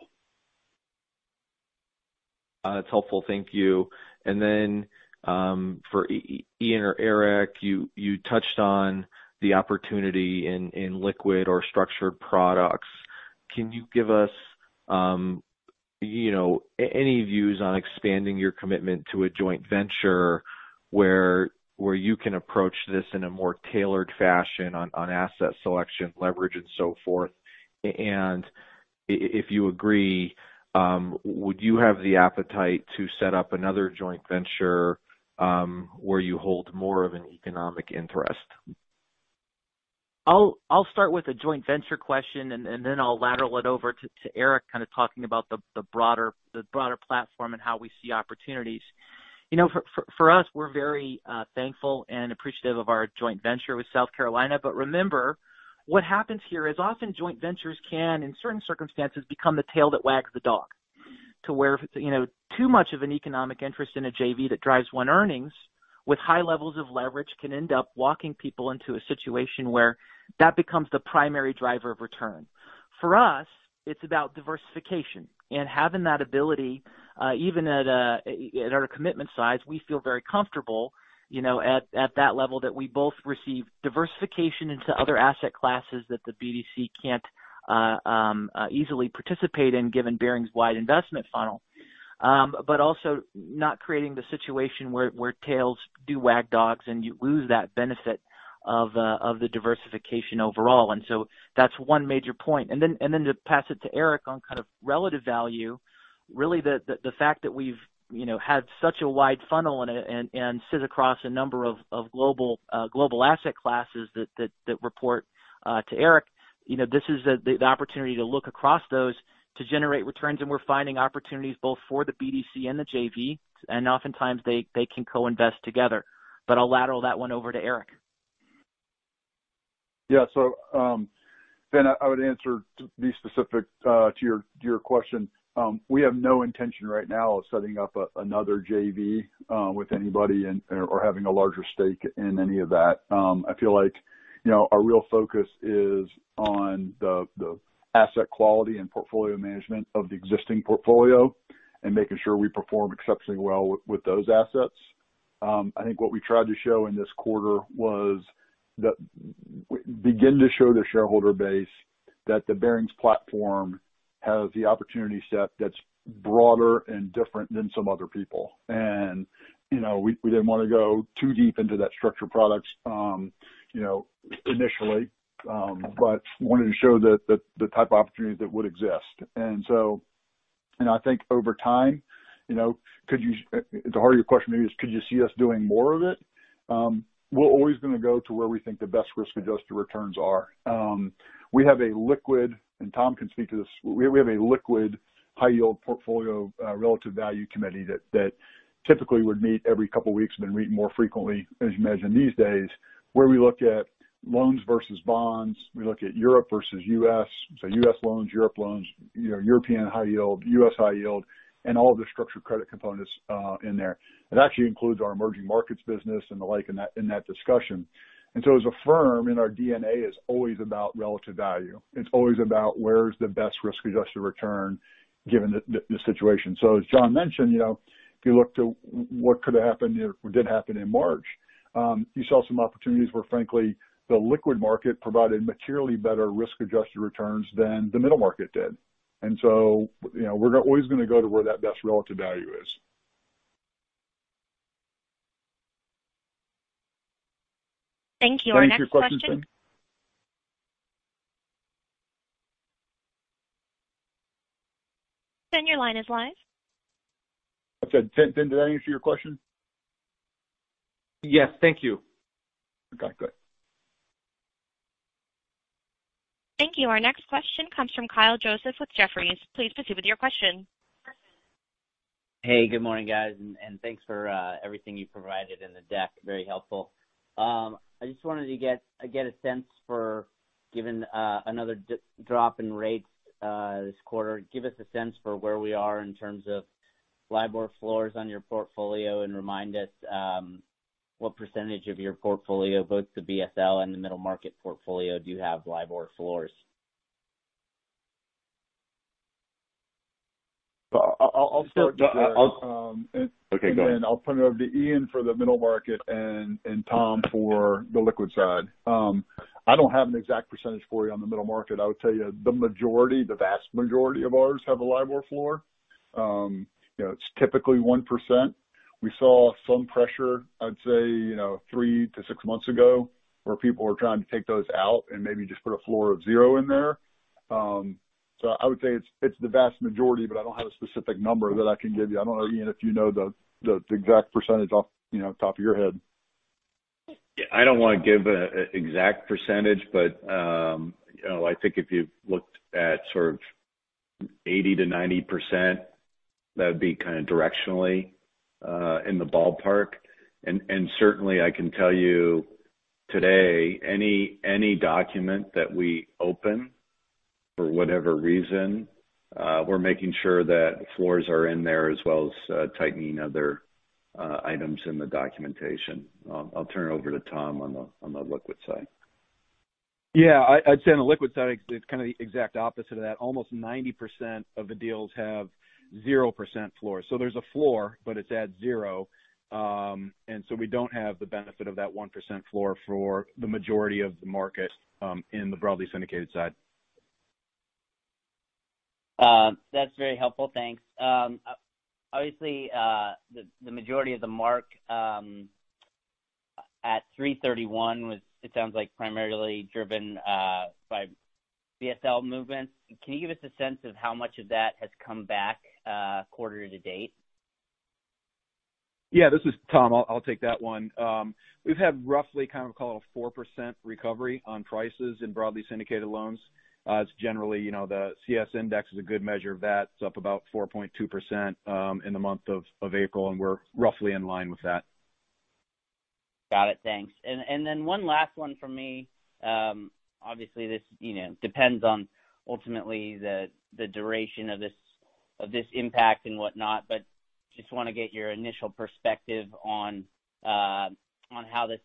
That's helpful. Thank you. For Ian or Eric, you touched on the opportunity in liquid or structured products. Can you give us any views on expanding your commitment to a joint venture where you can approach this in a more tailored fashion on asset selection, leverage, and so forth? If you agree, would you have the appetite to set up another joint venture where you hold more of an economic interest?
I'll start with the joint venture question, then I'll lateral it over to Eric, kind of talking about the broader platform and how we see opportunities. For us, we're very thankful and appreciative of our joint venture with South Carolina. Remember, what happens here is often joint ventures can, in certain circumstances, become the tail that wags the dog. To where too much of an economic interest in a JV that drives one earnings with high levels of leverage can end up walking people into a situation where that becomes the primary driver of return. For us, it's about diversification. Having that ability, even at our commitment size, we feel very comfortable at that level that we both receive diversification into other asset classes that the BDC can't easily participate in, given Barings wide investment funnel. Also not creating the situation where tails do wag dogs and you lose that benefit of the diversification overall. That's one major point. Then to pass it to Eric on kind of relative value, really the fact that we've had such a wide funnel and sit across a number of global asset classes that report to Eric, this is the opportunity to look across those to generate returns. We're finding opportunities both for the BDC and the JV. Oftentimes they can co-invest together. I'll lateral that one over to Eric.
Finn, I would answer to be specific to your question. We have no intention right now of setting up another JV with anybody or having a larger stake in any of that. I feel like our real focus is on the asset quality and portfolio management of the existing portfolio and making sure we perform exceptionally well with those assets. I think what we tried to show in this quarter was begin to show the shareholder base that the Barings platform has the opportunity set that's broader and different than some other people. We didn't want to go too deep into that structured products initially. Wanted to show the type of opportunities that would exist. I think over time, the heart of your question is, could you see us doing more of it? We're always going to go to where we think the best risk-adjusted returns are. We have a liquid, Tom can speak to this, we have a liquid high yield portfolio relative value committee that typically would meet every couple of weeks, been meeting more frequently as you mentioned these days, where we look at loans versus bonds. We look at Europe versus U.S., U.S. loans, Europe loans, European high yield, U.S. high yield, all of the structured credit components in there. It actually includes our emerging markets business and the like in that discussion. As a firm, in our DNA is always about relative value. It's always about where's the best risk-adjusted return given the situation. As Jon mentioned, if you look to what could happen or did happen in March, you saw some opportunities where frankly, the liquid market provided materially better risk-adjusted returns than the middle market did. We're always going to go to where that best relative value is.
Thank you. Our next question.
Thanks for your question, Finn.
Finn, your line is live.
I said, Finn, did I answer your question?
Yes. Thank you.
Okay, good.
Thank you. Our next question comes from Kyle Joseph with Jefferies. Please proceed with your question.
Hey, good morning, guys. Thanks for everything you provided in the deck. Very helpful. I just wanted to get a sense for giving another drop in rates this quarter. Give us a sense for where we are in terms of LIBOR floors on your portfolio. Remind us what percentage of your portfolio, both the BSL and the middle market portfolio, do you have LIBOR floors?
I'll start, and then I'll put it over to Ian for the middle market and Tom for the liquid side. I don't have an exact percentage for you on the middle market. I would tell you the majority, the vast majority of ours have a LIBOR floor. It's typically 1%. We saw some pressure, I'd say three to six months ago, where people were trying to take those out and maybe just put a floor of zero in there. I would say it's the vast majority, but I don't have a specific number that I can give you. I don't know, Ian, if you know the exact percentage off top of your head.
I don't want to give an exact percentage, but I think if you looked at sort of 80%-90%, that would be kind of directionally in the ballpark. Certainly I can tell you today, any document that we open for whatever reason, we're making sure that floors are in there as well as tightening other items in the documentation. I'll turn it over to Tom on the liquid side.
Yeah. I'd say on the liquid side, it's kind of the exact opposite of that. Almost 90% of the deals have 0% floor. There's a floor, but it's at zero. We don't have the benefit of that 1% floor for the majority of the market in the broadly syndicated side.
That's very helpful. Thanks. Obviously, the majority of the mark at 331 was, it sounds like, primarily driven by BSL movements. Can you give us a sense of how much of that has come back quarter to date?
Yeah. This is Tom. I'll take that one. We've had roughly kind of call it a 4% recovery on prices in broadly syndicated loans. It's generally, the CS index is a good measure of that. It's up about 4.2% in the month of April. We're roughly in line with that.
Got it. Thanks. One last one from me. Obviously, this depends on ultimately the duration of this impact and whatnot, just want to get your initial perspective on how this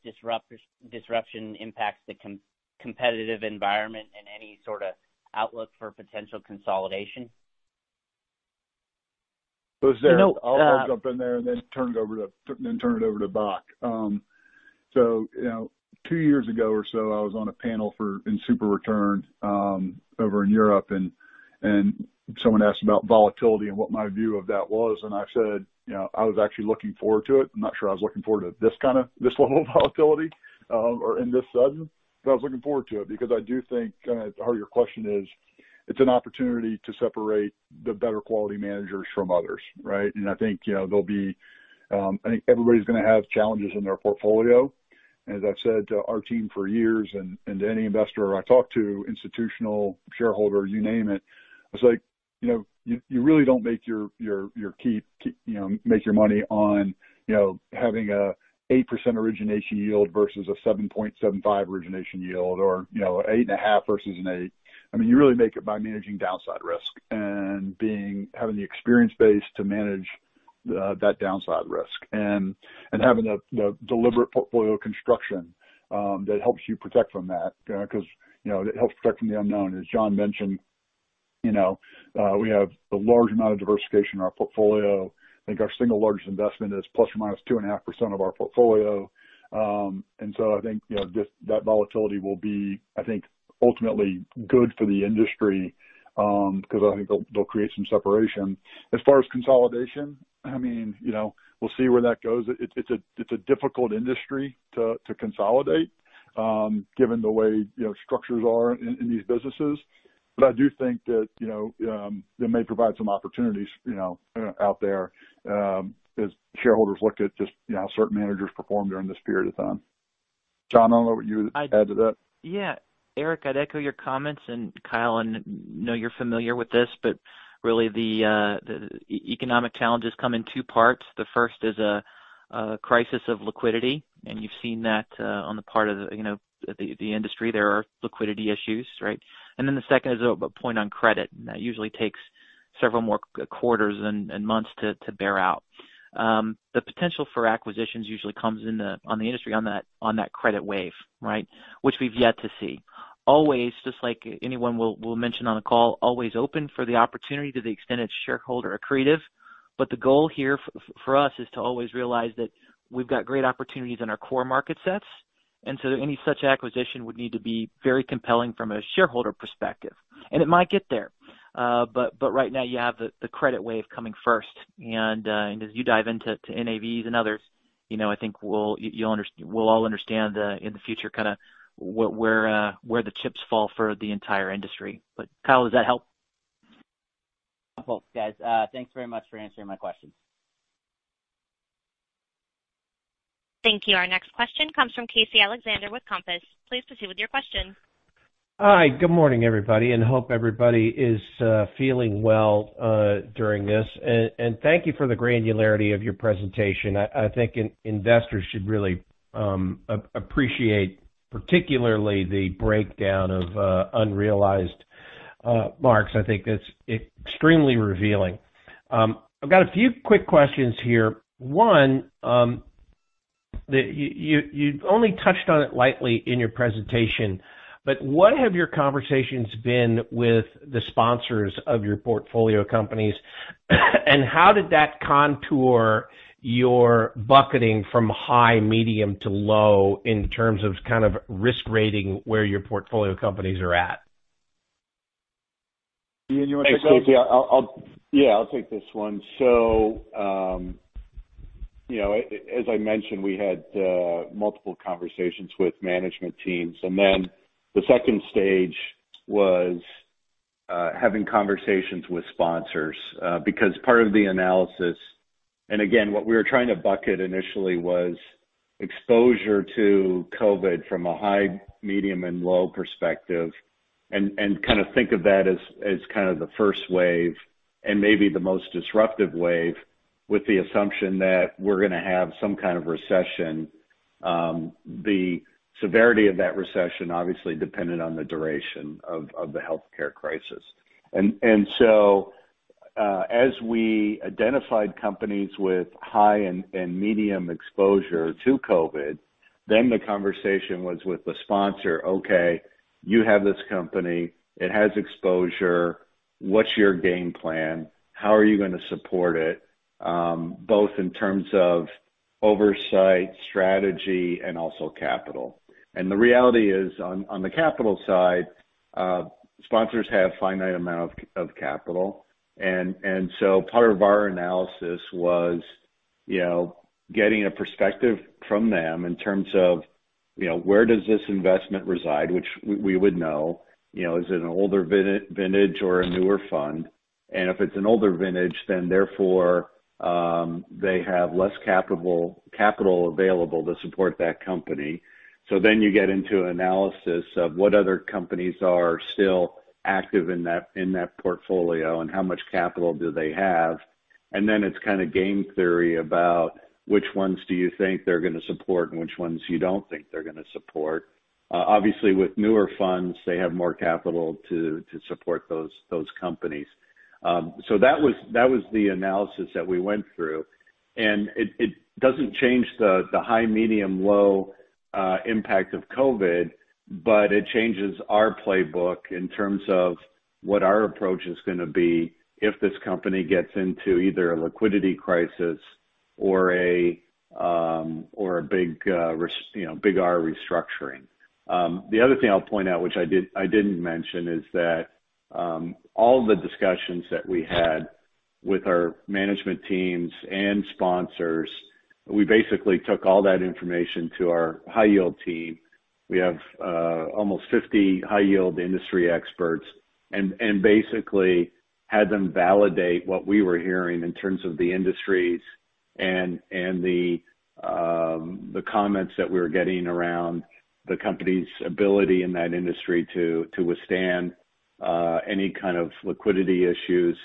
disruption impacts the competitive environment and any sort of outlook for potential consolidation.
I'll jump in there and then turn it over to Bock. Two years ago or so, I was on a panel in SuperReturn over in Europe and someone asked about volatility and what my view of that was, and I said I was actually looking forward to it. I'm not sure I was looking forward to this level of volatility or in this sudden, but I was looking forward to it because I do think, at the heart of your question is, it's an opportunity to separate the better quality managers from others, right? I think everybody's going to have challenges in their portfolio. As I've said to our team for years and to any investor I talk to, institutional, shareholder, you name it. I was like, you really don't make your money on having a 8% origination yield versus a 7.75% origination yield or 8.5% versus an 8%. I mean, you really make it by managing downside risk and having the experience base to manage that downside risk, and having a deliberate portfolio construction that helps you protect from that because it helps protect from the unknown. As Jon mentioned, we have a large amount of diversification in our portfolio. I think our single largest investment is ±2.5% of our portfolio. I think that volatility will be, I think ultimately good for the industry because I think they'll create some separation. As far as consolidation, we'll see where that goes. It's a difficult industry to consolidate given the way structures are in these businesses. I do think that it may provide some opportunities out there as shareholders look at just how certain managers perform during this period of time. Jon, I don't know what you would add to that.
Yeah. Eric, I'd echo your comments. Kyle, I know you're familiar with this. Really the economic challenges come in two parts. The first is a crisis of liquidity. You've seen that on the part of the industry. There are liquidity issues, right? The second is a point on credit. That usually takes several more quarters and months to bear out. The potential for acquisitions usually comes on the industry on that credit wave, right? Which we've yet to see. Always, just like anyone will mention on a call, always open for the opportunity to the extent it's shareholder accretive. The goal here for us is to always realize that we've got great opportunities in our core market sets. Any such acquisition would need to be very compelling from a shareholder perspective. It might get there. Right now you have the credit wave coming first. As you dive into NAVs and others, I think we'll all understand in the future kind of where the chips fall for the entire industry. Kyle, does that help?
Helpful guys. Thanks very much for answering my questions.
Thank you. Our next question comes from Casey Alexander with Compass. Please proceed with your question.
Hi, good morning, everybody. Hope everybody is feeling well during this. Thank you for the granularity of your presentation. I think investors should really appreciate particularly the breakdown of unrealized marks. I think that's extremely revealing. I've got a few quick questions here. One, you only touched on it lightly in your presentation, but what have your conversations been with the sponsors of your portfolio companies? How did that contour your bucketing from high, medium to low in terms of kind of risk rating where your portfolio companies are at?
Ian, you want to take that one?
Thanks, Casey. Yeah, I'll take this one. As I mentioned, we had multiple conversations with management teams. Then the second stage was having conversations with sponsors because part of the analysis Again, what we were trying to bucket initially was exposure to COVID from a high, medium, and low perspective, and kind of think of that as kind of the first wave and maybe the most disruptive wave with the assumption that we're going to have some kind of recession. The severity of that recession obviously depended on the duration of the healthcare crisis. As we identified companies with high and medium exposure to COVID, then the conversation was with the sponsor, "Okay, you have this company, it has exposure. What's your game plan? How are you going to support it, both in terms of oversight, strategy, and also capital? The reality is, on the capital side, sponsors have finite amount of capital. Part of our analysis was getting a perspective from them in terms of where does this investment reside, which we would know. Is it an older vintage or a newer fund? If it's an older vintage, then therefore, they have less capital available to support that company. You get into analysis of what other companies are still active in that portfolio, and how much capital do they have. It's kind of game theory about which ones do you think they're going to support and which ones you don't think they're going to support. Obviously, with newer funds, they have more capital to support those companies. That was the analysis that we went through, and it doesn't change the high, medium, low impact of COVID, but it changes our playbook in terms of what our approach is going to be if this company gets into either a liquidity crisis or a big restructuring. The other thing I'll point out, which I didn't mention, is that all of the discussions that we had with our management teams and sponsors, we basically took all that information to our high yield team. We have almost 50 high yield industry experts, and basically had them validate what we were hearing in terms of the industries and the comments that we were getting around the company's ability in that industry to withstand any kind of liquidity issues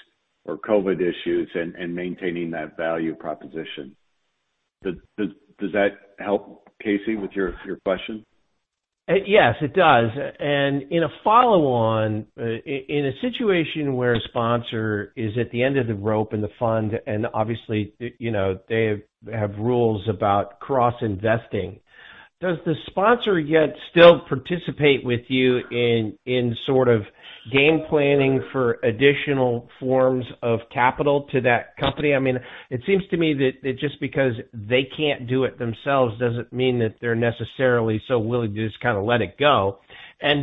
or COVID issues and maintaining that value proposition. Does that help, Casey, with your question?
Yes, it does. In a follow-on, in a situation where a sponsor is at the end of the rope and the fund, and obviously they have rules about cross-investing, does the sponsor yet still participate with you in sort of game-planning for additional forms of capital to that company? It seems to me that just because they can't do it themselves doesn't mean that they're necessarily so willing to just kind of let it go.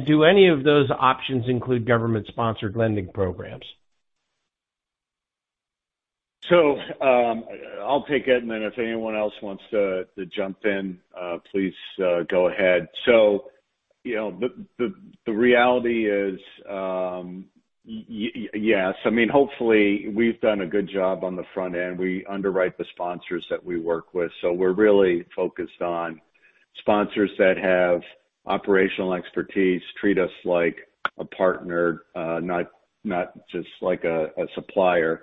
Do any of those options include government-sponsored lending programs?
I'll take it, and then if anyone else wants to jump in, please go ahead. The reality is, yes. Hopefully, we've done a good job on the front end. We underwrite the sponsors that we work with. We're really focused on sponsors that have operational expertise, treat us like a partner, not just like a supplier.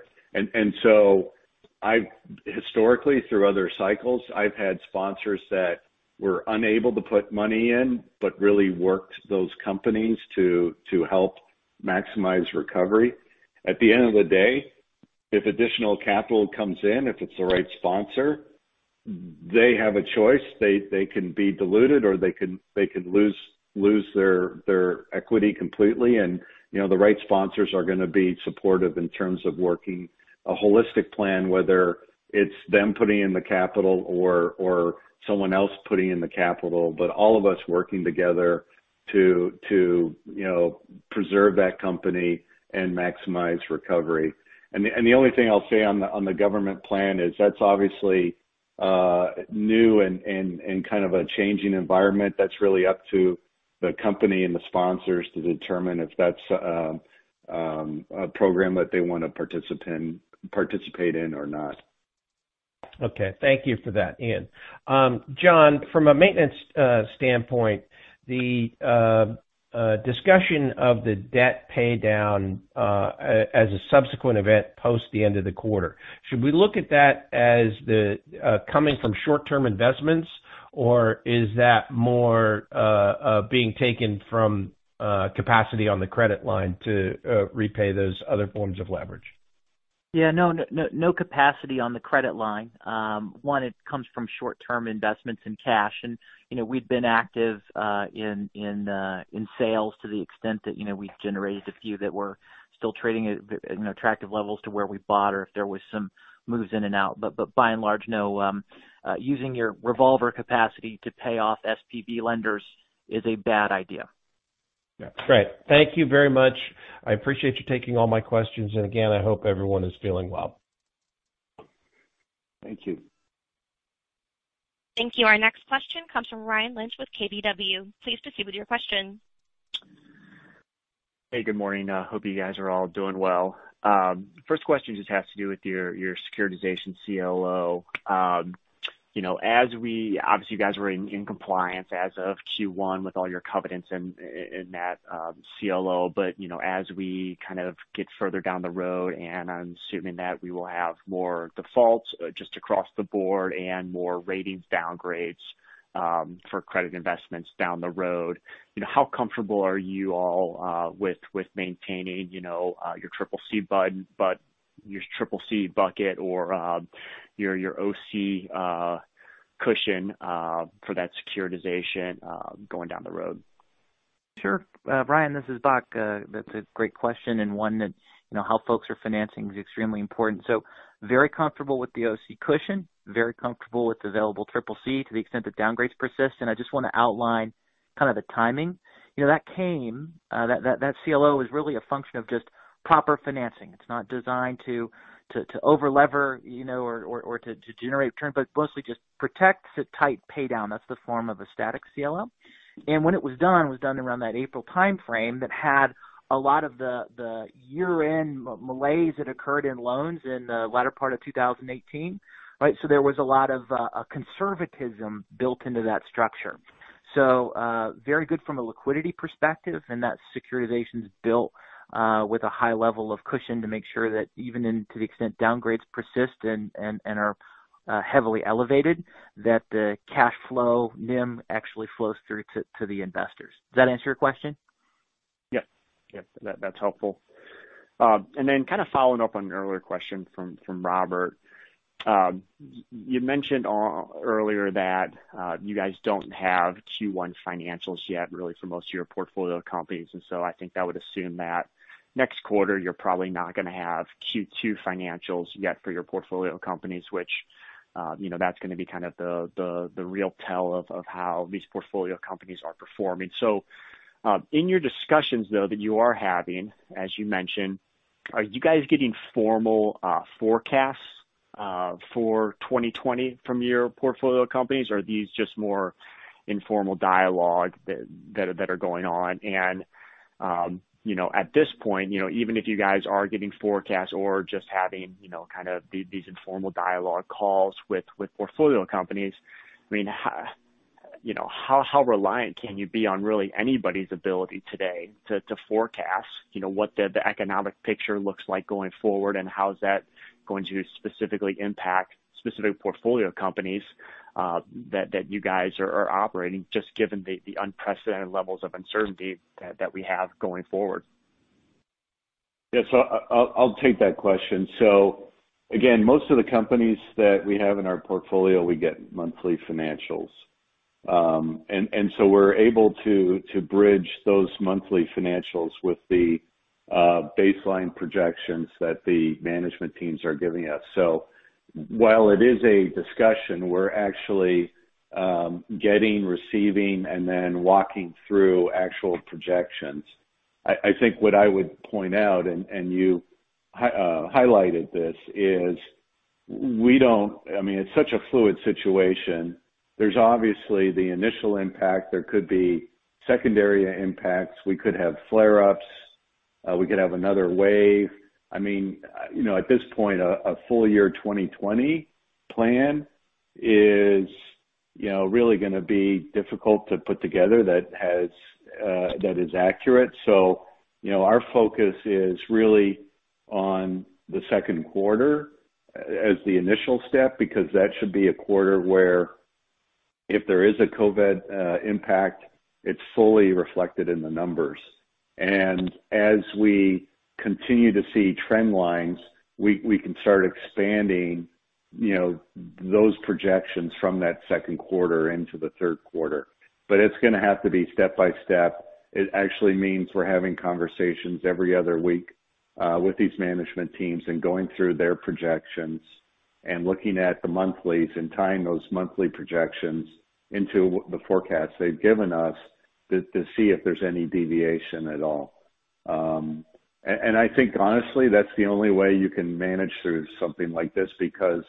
Historically, through other cycles, I've had sponsors that were unable to put money in, but really worked those companies to help maximize recovery. At the end of the day, if additional capital comes in, if it's the right sponsor, they have a choice. They can be diluted or they can lose their equity completely. The right sponsors are going to be supportive in terms of working a holistic plan, whether it's them putting in the capital or someone else putting in the capital, but all of us working together to preserve that company and maximize recovery. The only thing I'll say on the government plan is that's obviously new and kind of a changing environment. That's really up to the company and the sponsors to determine if that's a program that they want to participate in or not.
Okay. Thank you for that, Ian. Jon, from a maintenance standpoint, the discussion of the debt paydown as a subsequent event post the end of the quarter, should we look at that as coming from short-term investments, or is that more being taken from capacity on the credit line to repay those other forms of leverage?
Yeah, no capacity on the credit line. One, it comes from short-term investments in cash, and we've been active in sales to the extent that we've generated a few that were still trading at attractive levels to where we bought or if there was some moves in and out. By and large, no. Using your revolver capacity to pay off SPV lenders is a bad idea.
Yeah. Great. Thank you very much. I appreciate you taking all my questions. Again, I hope everyone is doing well.
Thank you.
Thank you. Our next question comes from Ryan Lynch with KBW. Please proceed with your question.
Hey, good morning. Hope you guys are all doing well. First question just has to do with your securitization CLO. Obviously, you guys were in compliance as of Q1 with all your covenants in that CLO. As we kind of get further down the road, and I'm assuming that we will have more defaults just across the board and more ratings downgrades for credit investments down the road. How comfortable are you all with maintaining your CCC bucket or your OC cushion for that securitization going down the road?
Sure. Ryan, this is Jon. That's a great question and one that how folks are financing is extremely important. Very comfortable with the OC cushion, very comfortable with available triple C to the extent that downgrades persist. I just want to outline kind of the timing. That came, that CLO is really a function of just proper financing. It's not designed to over-lever or to generate return, but mostly just protects a tight pay down. That's the form of a static CLO. When it was done, it was done around that April timeframe that had a lot of the year-end malaise that occurred in loans in the latter part of 2018. Right? There was a lot of conservatism built into that structure. Very good from a liquidity perspective, and that securitization is built with a high level of cushion to make sure that even to the extent downgrades persist and are heavily elevated, that the cash flow NIM actually flows through to the investors. Does that answer your question?
Yes. That's helpful. Then kind of following up on your earlier question from Robert. You mentioned earlier that you guys don't have Q1 financials yet really for most of your portfolio companies. I think I would assume that next quarter, you're probably not going to have Q2 financials yet for your portfolio companies, which that's going to be kind of the real tell of how these portfolio companies are performing. In your discussions, though, that you are having, as you mentioned, are you guys getting formal forecasts for 2020 from your portfolio companies? Are these just more informal dialogue that are going on? At this point, even if you guys are getting forecasts or just having kind of these informal dialogue calls with portfolio companies? How reliant can you be on really anybody's ability today to forecast what the economic picture looks like going forward and how is that going to specifically impact specific portfolio companies that you guys are operating, just given the unprecedented levels of uncertainty that we have going forward?
Yeah. I'll take that question. Again, most of the companies that we have in our portfolio, we get monthly financials. We're able to bridge those monthly financials with the baseline projections that the management teams are giving us. While it is a discussion, we're actually getting, receiving, and then walking through actual projections. I think what I would point out, and you highlighted this, is we don't. It's such a fluid situation. There's obviously the initial impact. There could be secondary impacts. We could have flare-ups. We could have another wave. At this point, a full year 2020 plan is really going to be difficult to put together that is accurate. Our focus is really on the second quarter as the initial step, because that should be a quarter where if there is a COVID impact, it's fully reflected in the numbers. As we continue to see trend lines, we can start expanding those projections from that second quarter into the third quarter. It's going to have to be step by step. It actually means we're having conversations every other week with these management teams and going through their projections and looking at the monthlies and tying those monthly projections into the forecasts they've given us to see if there's any deviation at all. I think honestly, that's the only way you can manage through something like this, because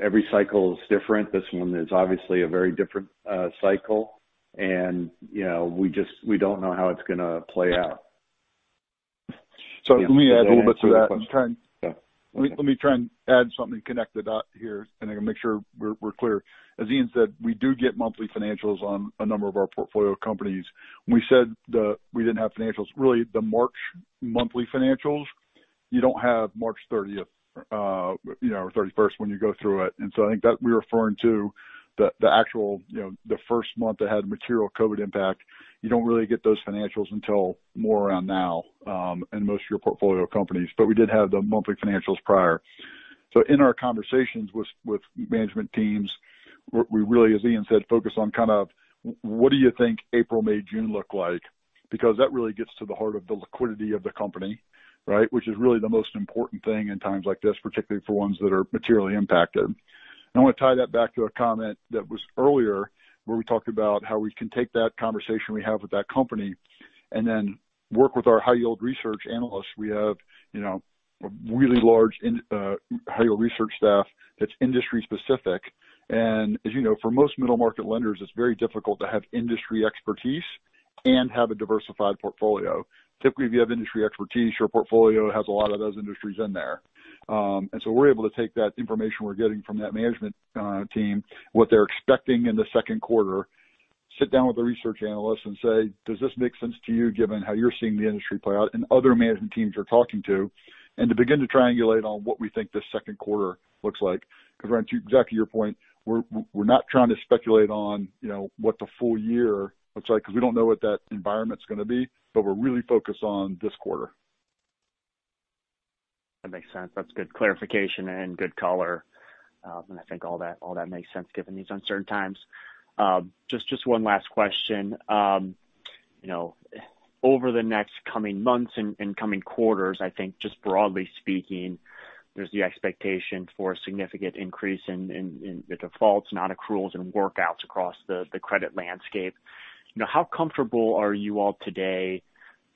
every cycle is different. This one is obviously a very different cycle, and we don't know how it's going to play out.
Let me add a little bit to that.
Yeah.
Let me try and add something, connect the dot here, and I can make sure we're clear. As Ian said, we do get monthly financials on a number of our portfolio companies. When we said that we didn't have financials, really the March monthly financials, you don't have March 30th or 31st when you go through it. I think that we're referring to the actual first month that had material COVID-19 impact. You don't really get those financials until more around now in most of your portfolio companies. We did have the monthly financials prior. In our conversations with management teams, we really, as Ian said, focus on kind of what do you think April, May, June look like? That really gets to the heart of the liquidity of the company, right? Which is really the most important thing in times like this, particularly for ones that are materially impacted. I want to tie that back to a comment that was earlier where we talked about how we can take that conversation we have with that company and then work with our high yield research analysts. We have a really large high yield research staff that's industry specific. As you know, for most middle market lenders, it's very difficult to have industry expertise and have a diversified portfolio. Typically, if you have industry expertise, your portfolio has a lot of those industries in there. We're able to take that information we're getting from that management team, what they're expecting in the second quarter. Sit down with a research analyst and say, "Does this make sense to you given how you're seeing the industry play out and other management teams you're talking to?" To begin to triangulate on what we think this second quarter looks like. Ryan, to exactly your point, we're not trying to speculate on what the full year looks like because we don't know what that environment's going to be. We're really focused on this quarter.
That makes sense. That's good clarification and good color. I think all that makes sense given these uncertain times. Just one last question. Over the next coming months and coming quarters, I think just broadly speaking, there's the expectation for a significant increase in the defaults, non-accruals, and workouts across the credit landscape. How comfortable are you all today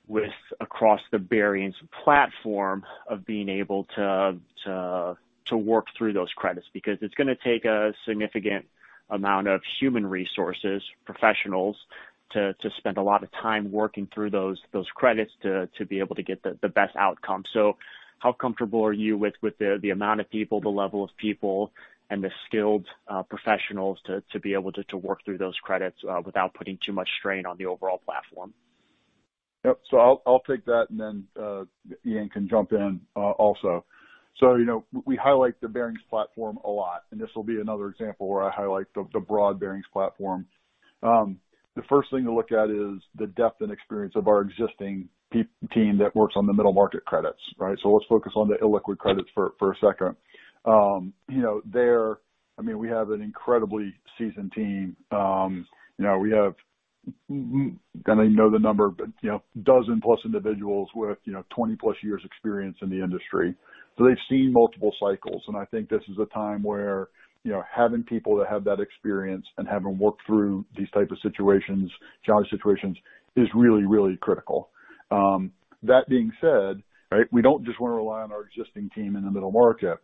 with across the Barings platform of being able to work through those credits? It's going to take a significant amount of human resources professionals to spend a lot of time working through those credits to be able to get the best outcome. How comfortable are you with the amount of people, the level of people, and the skilled professionals to be able to work through those credits without putting too much strain on the overall platform?
Yep. I'll take that, and then Ian can jump in also. We highlight the Barings platform a lot, and this will be another example where I highlight the broad Barings platform. The first thing to look at is the depth and experience of our existing team that works on the middle market credits, right? Let's focus on the illiquid credits for a second. We have an incredibly seasoned team. We have, I don't even know the number, but dozen-plus individuals with 20+ years experience in the industry. They've seen multiple cycles, and I think this is a time where having people that have that experience and having worked through these type of situations, challenging situations, is really, really critical. That being said, we don't just want to rely on our existing team in the middle market.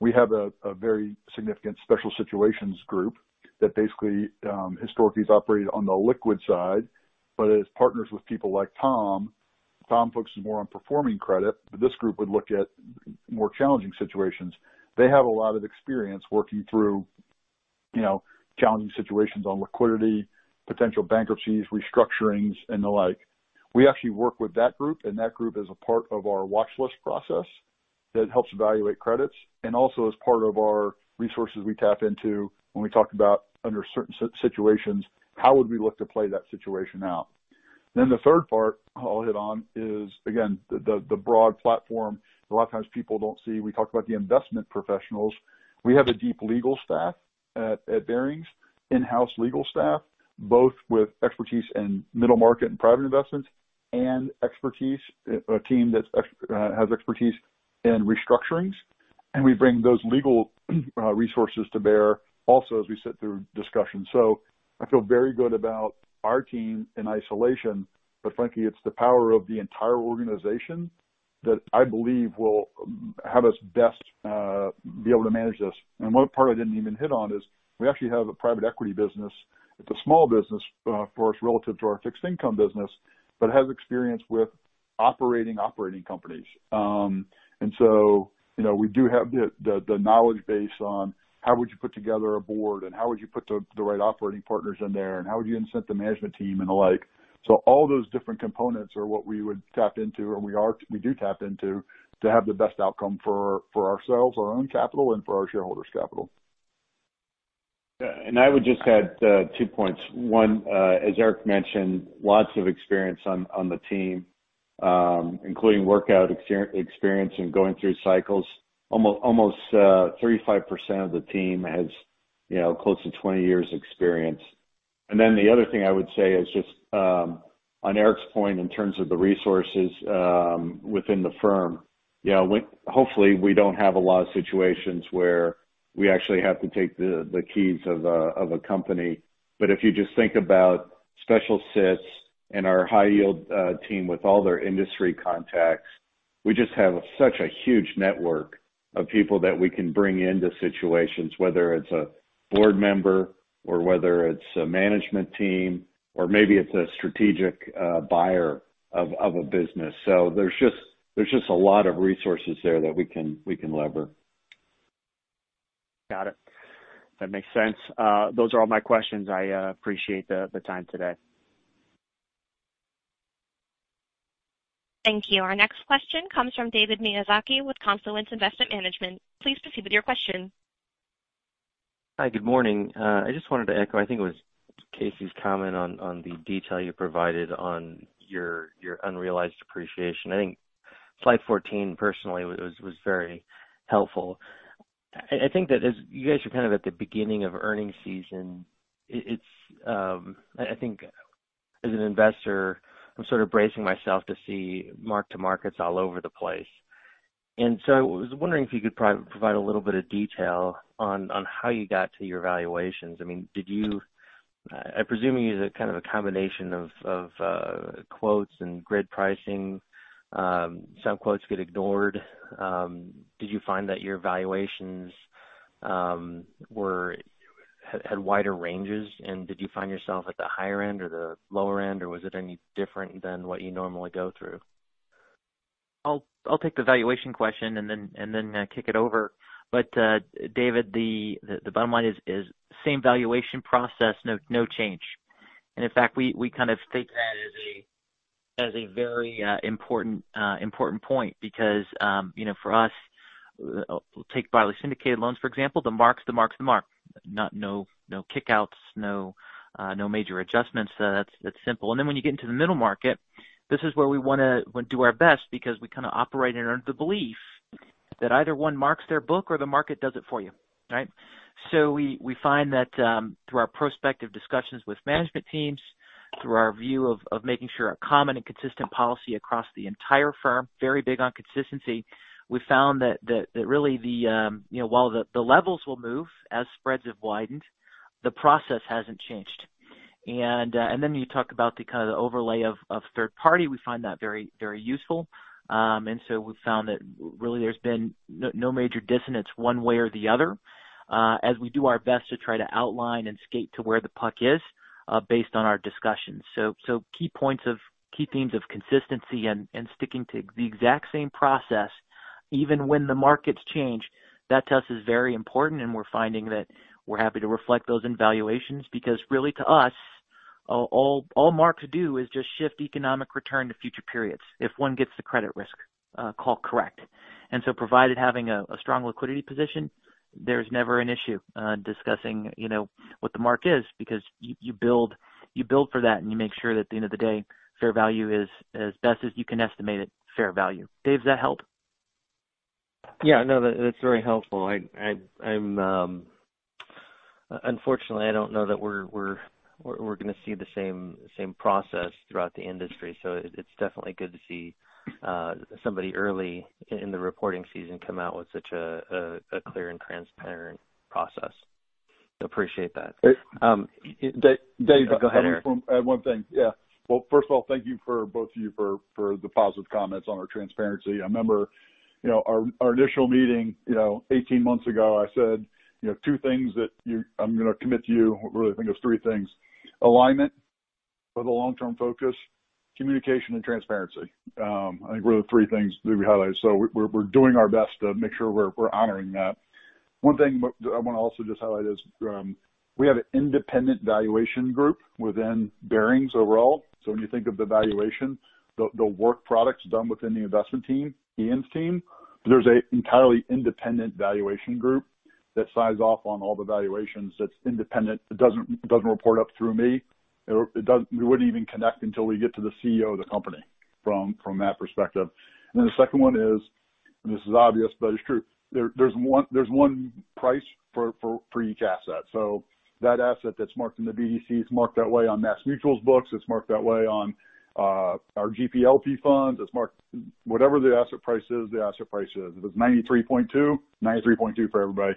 We have a very significant special situations group that basically historically has operated on the liquid side. As partners with people like Tom focuses more on performing credit, but this group would look at more challenging situations. They have a lot of experience working through challenging situations on liquidity, potential bankruptcies, restructurings, and the like. We actually work with that group, and that group is a part of our watchlist process that helps evaluate credits, and also is part of our resources we tap into when we talk about under certain situations, how would we look to play that situation out? The third part I'll hit on is, again, the broad platform. A lot of times people don't see. We talked about the investment professionals. We have a deep legal staff at Barings, in-house legal staff, both with expertise in middle market and private investments, and a team that has expertise in restructurings. We bring those legal resources to bear also as we sit through discussions. I feel very good about our team in isolation. Frankly, it's the power of the entire organization that I believe will have us best be able to manage this. One part I didn't even hit on is we actually have a private equity business. It's a small business for us relative to our fixed income business, but has experience with operating companies. We do have the knowledge base on how would you put together a board, and how would you put the right operating partners in there, and how would you incent the management team, and the like. All those different components are what we would tap into and we do tap into to have the best outcome for ourselves, our own capital, and for our shareholders' capital.
I would just add two points. One, as Eric mentioned, lots of experience on the team, including workout experience and going through cycles. Almost 35% of the team has close to 20-years experience. Then the other thing I would say is just on Eric's point in terms of the resources within the firm. Hopefully we don't have a lot of situations where we actually have to take the keys of a company. If you just think about special sits and our high yield team with all their industry contacts, we just have such a huge network of people that we can bring into situations, whether it's a board member or whether it's a management team, or maybe it's a strategic buyer of a business. There's just a lot of resources there that we can lever.
Got it. That makes sense. Those are all my questions. I appreciate the time today.
Thank you. Our next question comes from David Miyazaki with Confluence Investment Management. Please proceed with your question.
Hi. Good morning. I just wanted to echo, I think it was Casey's comment on the detail you provided on your unrealized appreciation. I think slide 14 personally was very helpful. I think that as you guys are kind of at the beginning of earnings season, I think as an investor, I'm sort of bracing myself to see mark-to-markets all over the place. I was wondering if you could provide a little bit of detail on how you got to your valuations. I presume you use a kind of a combination of quotes and grid pricing. Some quotes get ignored. Did you find that your valuations had wider ranges? Did you find yourself at the higher end or the lower end, or was it any different than what you normally go through?
I'll take the valuation question and then kick it over. David, the bottom line is same valuation process, no change. In fact, we kind of take that as a very important point because, for us, we'll take broadly syndicated loans, for example. The mark's the mark's the mark. No kick-outs, no major adjustments. That's simple. When you get into the middle market, this is where we want to do our best because we kind of operate under the belief that either one marks their book or the market does it for you. Right? We find that through our prospective discussions with management teams, through our view of making sure a common and consistent policy across the entire firm, very big on consistency. We found that really, while the levels will move as spreads have widened, the process hasn't changed. When you talk about the kind of overlay of third party, we find that very useful. We've found that really there's been no major dissonance one way or the other as we do our best to try to outline and skate to where the puck is based on our discussions. Key points of key themes of consistency and sticking to the exact same process, even when the markets change. That to us is very important, and we're finding that we're happy to reflect those in valuations because really to us, all marks do is just shift economic return to future periods if one gets the credit risk call correct. Provided having a strong liquidity position, there's never an issue discussing what the mark is because you build for that, and you make sure that at the end of the day, fair value is as best as you can estimate it, fair value. David, does that help?
Yeah, no, that's very helpful. Unfortunately, I don't know that we're going to see the same process throughout the industry. It's definitely good to see somebody early in the reporting season come out with such a clear and transparent process. Appreciate that.
David-.
Go ahead, Eric.
One thing. Yeah. Well, first of all, thank you for both of you for the positive comments on our transparency. I remember our initial meeting 18-months ago, I said two things that I'm going to commit to you. Really, I think it was three things. Alignment with a long-term focus, communication, and transparency. I think were the three things that we highlighted. We're doing our best to make sure we're honoring that. One thing I want to also just highlight is we have an independent valuation group within Barings overall. When you think of the valuation, the work product's done within the investment team, Ian's team. There's an entirely independent valuation group that signs off on all the valuations that's independent. It doesn't report up through me. We wouldn't even connect until we get to the CEO of the company from that perspective. The second one is, and this is obvious, but it's true. There's one price for each asset. That asset that's marked in the BDC is marked that way on MassMutual's books, it's marked that way on our GP/LP funds. It's marked Whatever the asset price is, the asset price is. If it's 93.2, 93.2 for everybody.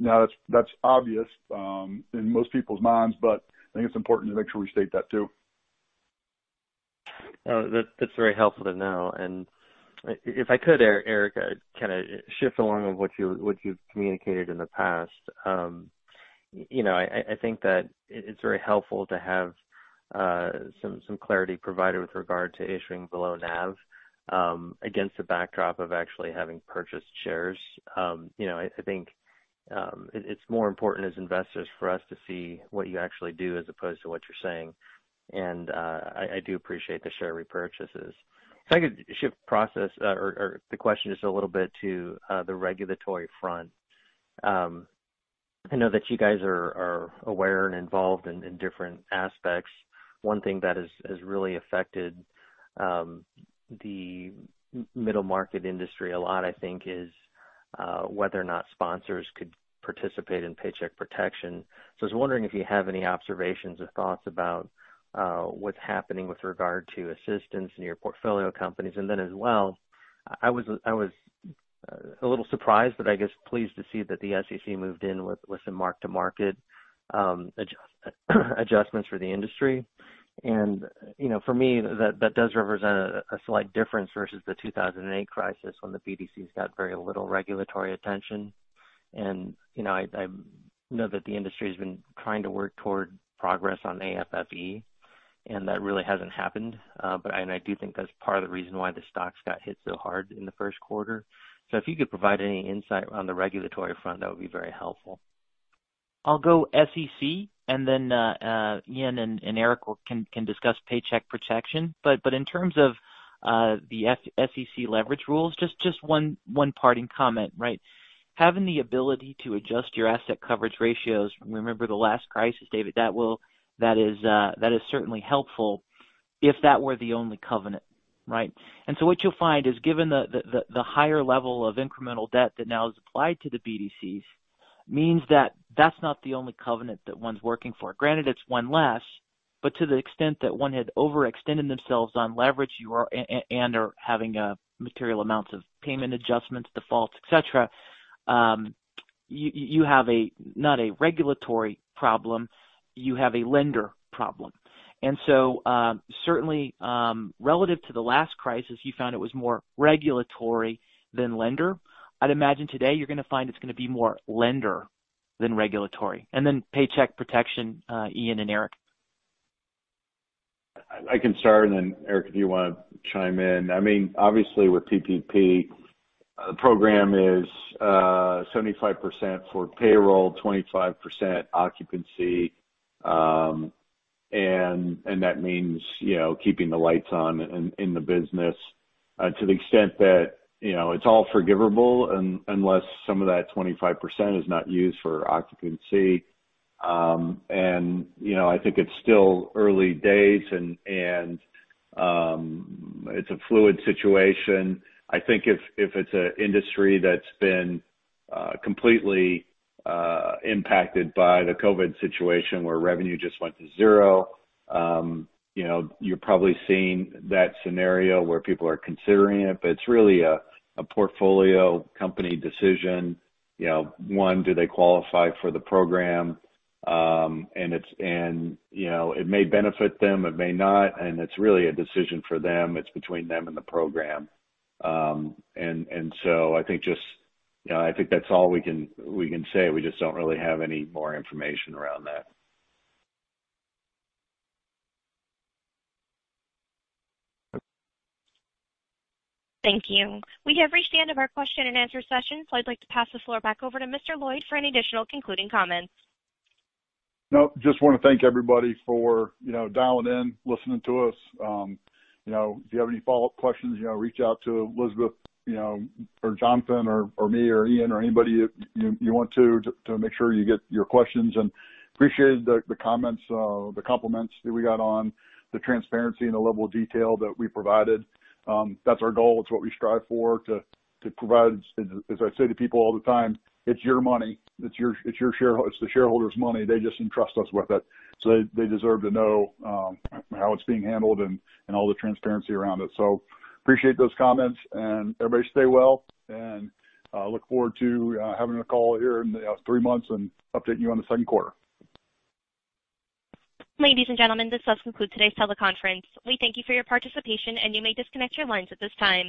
That's obvious in most people's minds, but I think it's important to make sure we state that too.
That's very helpful to know. If I could, Eric, kind of shift along of what you've communicated in the past. I think that it's very helpful to have some clarity provided with regard to issuing below NAV against the backdrop of actually having purchased shares. I think it's more important as investors for us to see what you actually do as opposed to what you're saying. I do appreciate the share repurchases. If I could shift process or the question just a little bit to the regulatory front. I know that you guys are aware and involved in different aspects. One thing that has really affected the middle-market industry a lot, I think, is whether or not sponsors could participate in Paycheck Protection. I was wondering if you have any observations or thoughts about what's happening with regard to assistance in your portfolio companies. As well, I was a little surprised, but I guess pleased to see that the SEC moved in with some mark-to-market adjustments for the industry. For me, that does represent a slight difference versus the 2008 crisis when the BDCs got very little regulatory attention. I know that the industry has been trying to work toward progress on AFFE, and that really hasn't happened. I do think that's part of the reason why the stocks got hit so hard in the first quarter. If you could provide any insight on the regulatory front, that would be very helpful.
I'll go SEC. Ian and Eric can discuss Paycheck Protection. In terms of the SEC leverage rules, just one parting comment, right? Having the ability to adjust your asset coverage ratios, remember the last crisis, David, that is certainly helpful if that were the only covenant, right? What you'll find is given the higher level of incremental debt that now is applied to the BDCs means that that's not the only covenant that one's working for. Granted, it's one less. To the extent that one had overextended themselves on leverage and/or having material amounts of payment adjustments, defaults, et cetera, you have not a regulatory problem, you have a lender problem. Certainly, relative to the last crisis, you found it was more regulatory than lender. I'd imagine today you're going to find it's going to be more lender than regulatory. Paycheck Protection, Ian and Eric.
I can start, and then Eric, if you want to chime in. Obviously, with PPP, the program is 75% for payroll, 25% occupancy, and that means keeping the lights on in the business to the extent that it's all forgivable, unless some of that 25% is not used for occupancy. I think it's still early days, and it's a fluid situation. I think if it's an industry that's been completely impacted by the COVID-19 situation where revenue just went to zero, you're probably seeing that scenario where people are considering it. It's really a portfolio company decision. One, do they qualify for the program? It may benefit them, it may not, and it's really a decision for them. It's between them and the program. I think that's all we can say. We just don't really have any more information around that.
Thank you. We have reached the end of our question-and-answer session. I'd like to pass the floor back over to Mr. Lloyd for any additional concluding comments.
Just want to thank everybody for dialing in, listening to us. If you have any follow-up questions, reach out to Elizabeth or Jonathan or me or Ian or anybody you want to make sure you get your questions. Appreciate the comments, the compliments that we got on the transparency and the level of detail that we provided. That's our goal. It's what we strive for, to provide. As I say to people all the time, it's your money. It's the shareholders' money. They just entrust us with it. They deserve to know how it's being handled and all the transparency around it. Appreciate those comments, and everybody stay well, and look forward to having a call here in three months and update you on the second quarter.
Ladies and gentlemen, this does conclude today's teleconference. We thank you for your participation, and you may disconnect your lines at this time.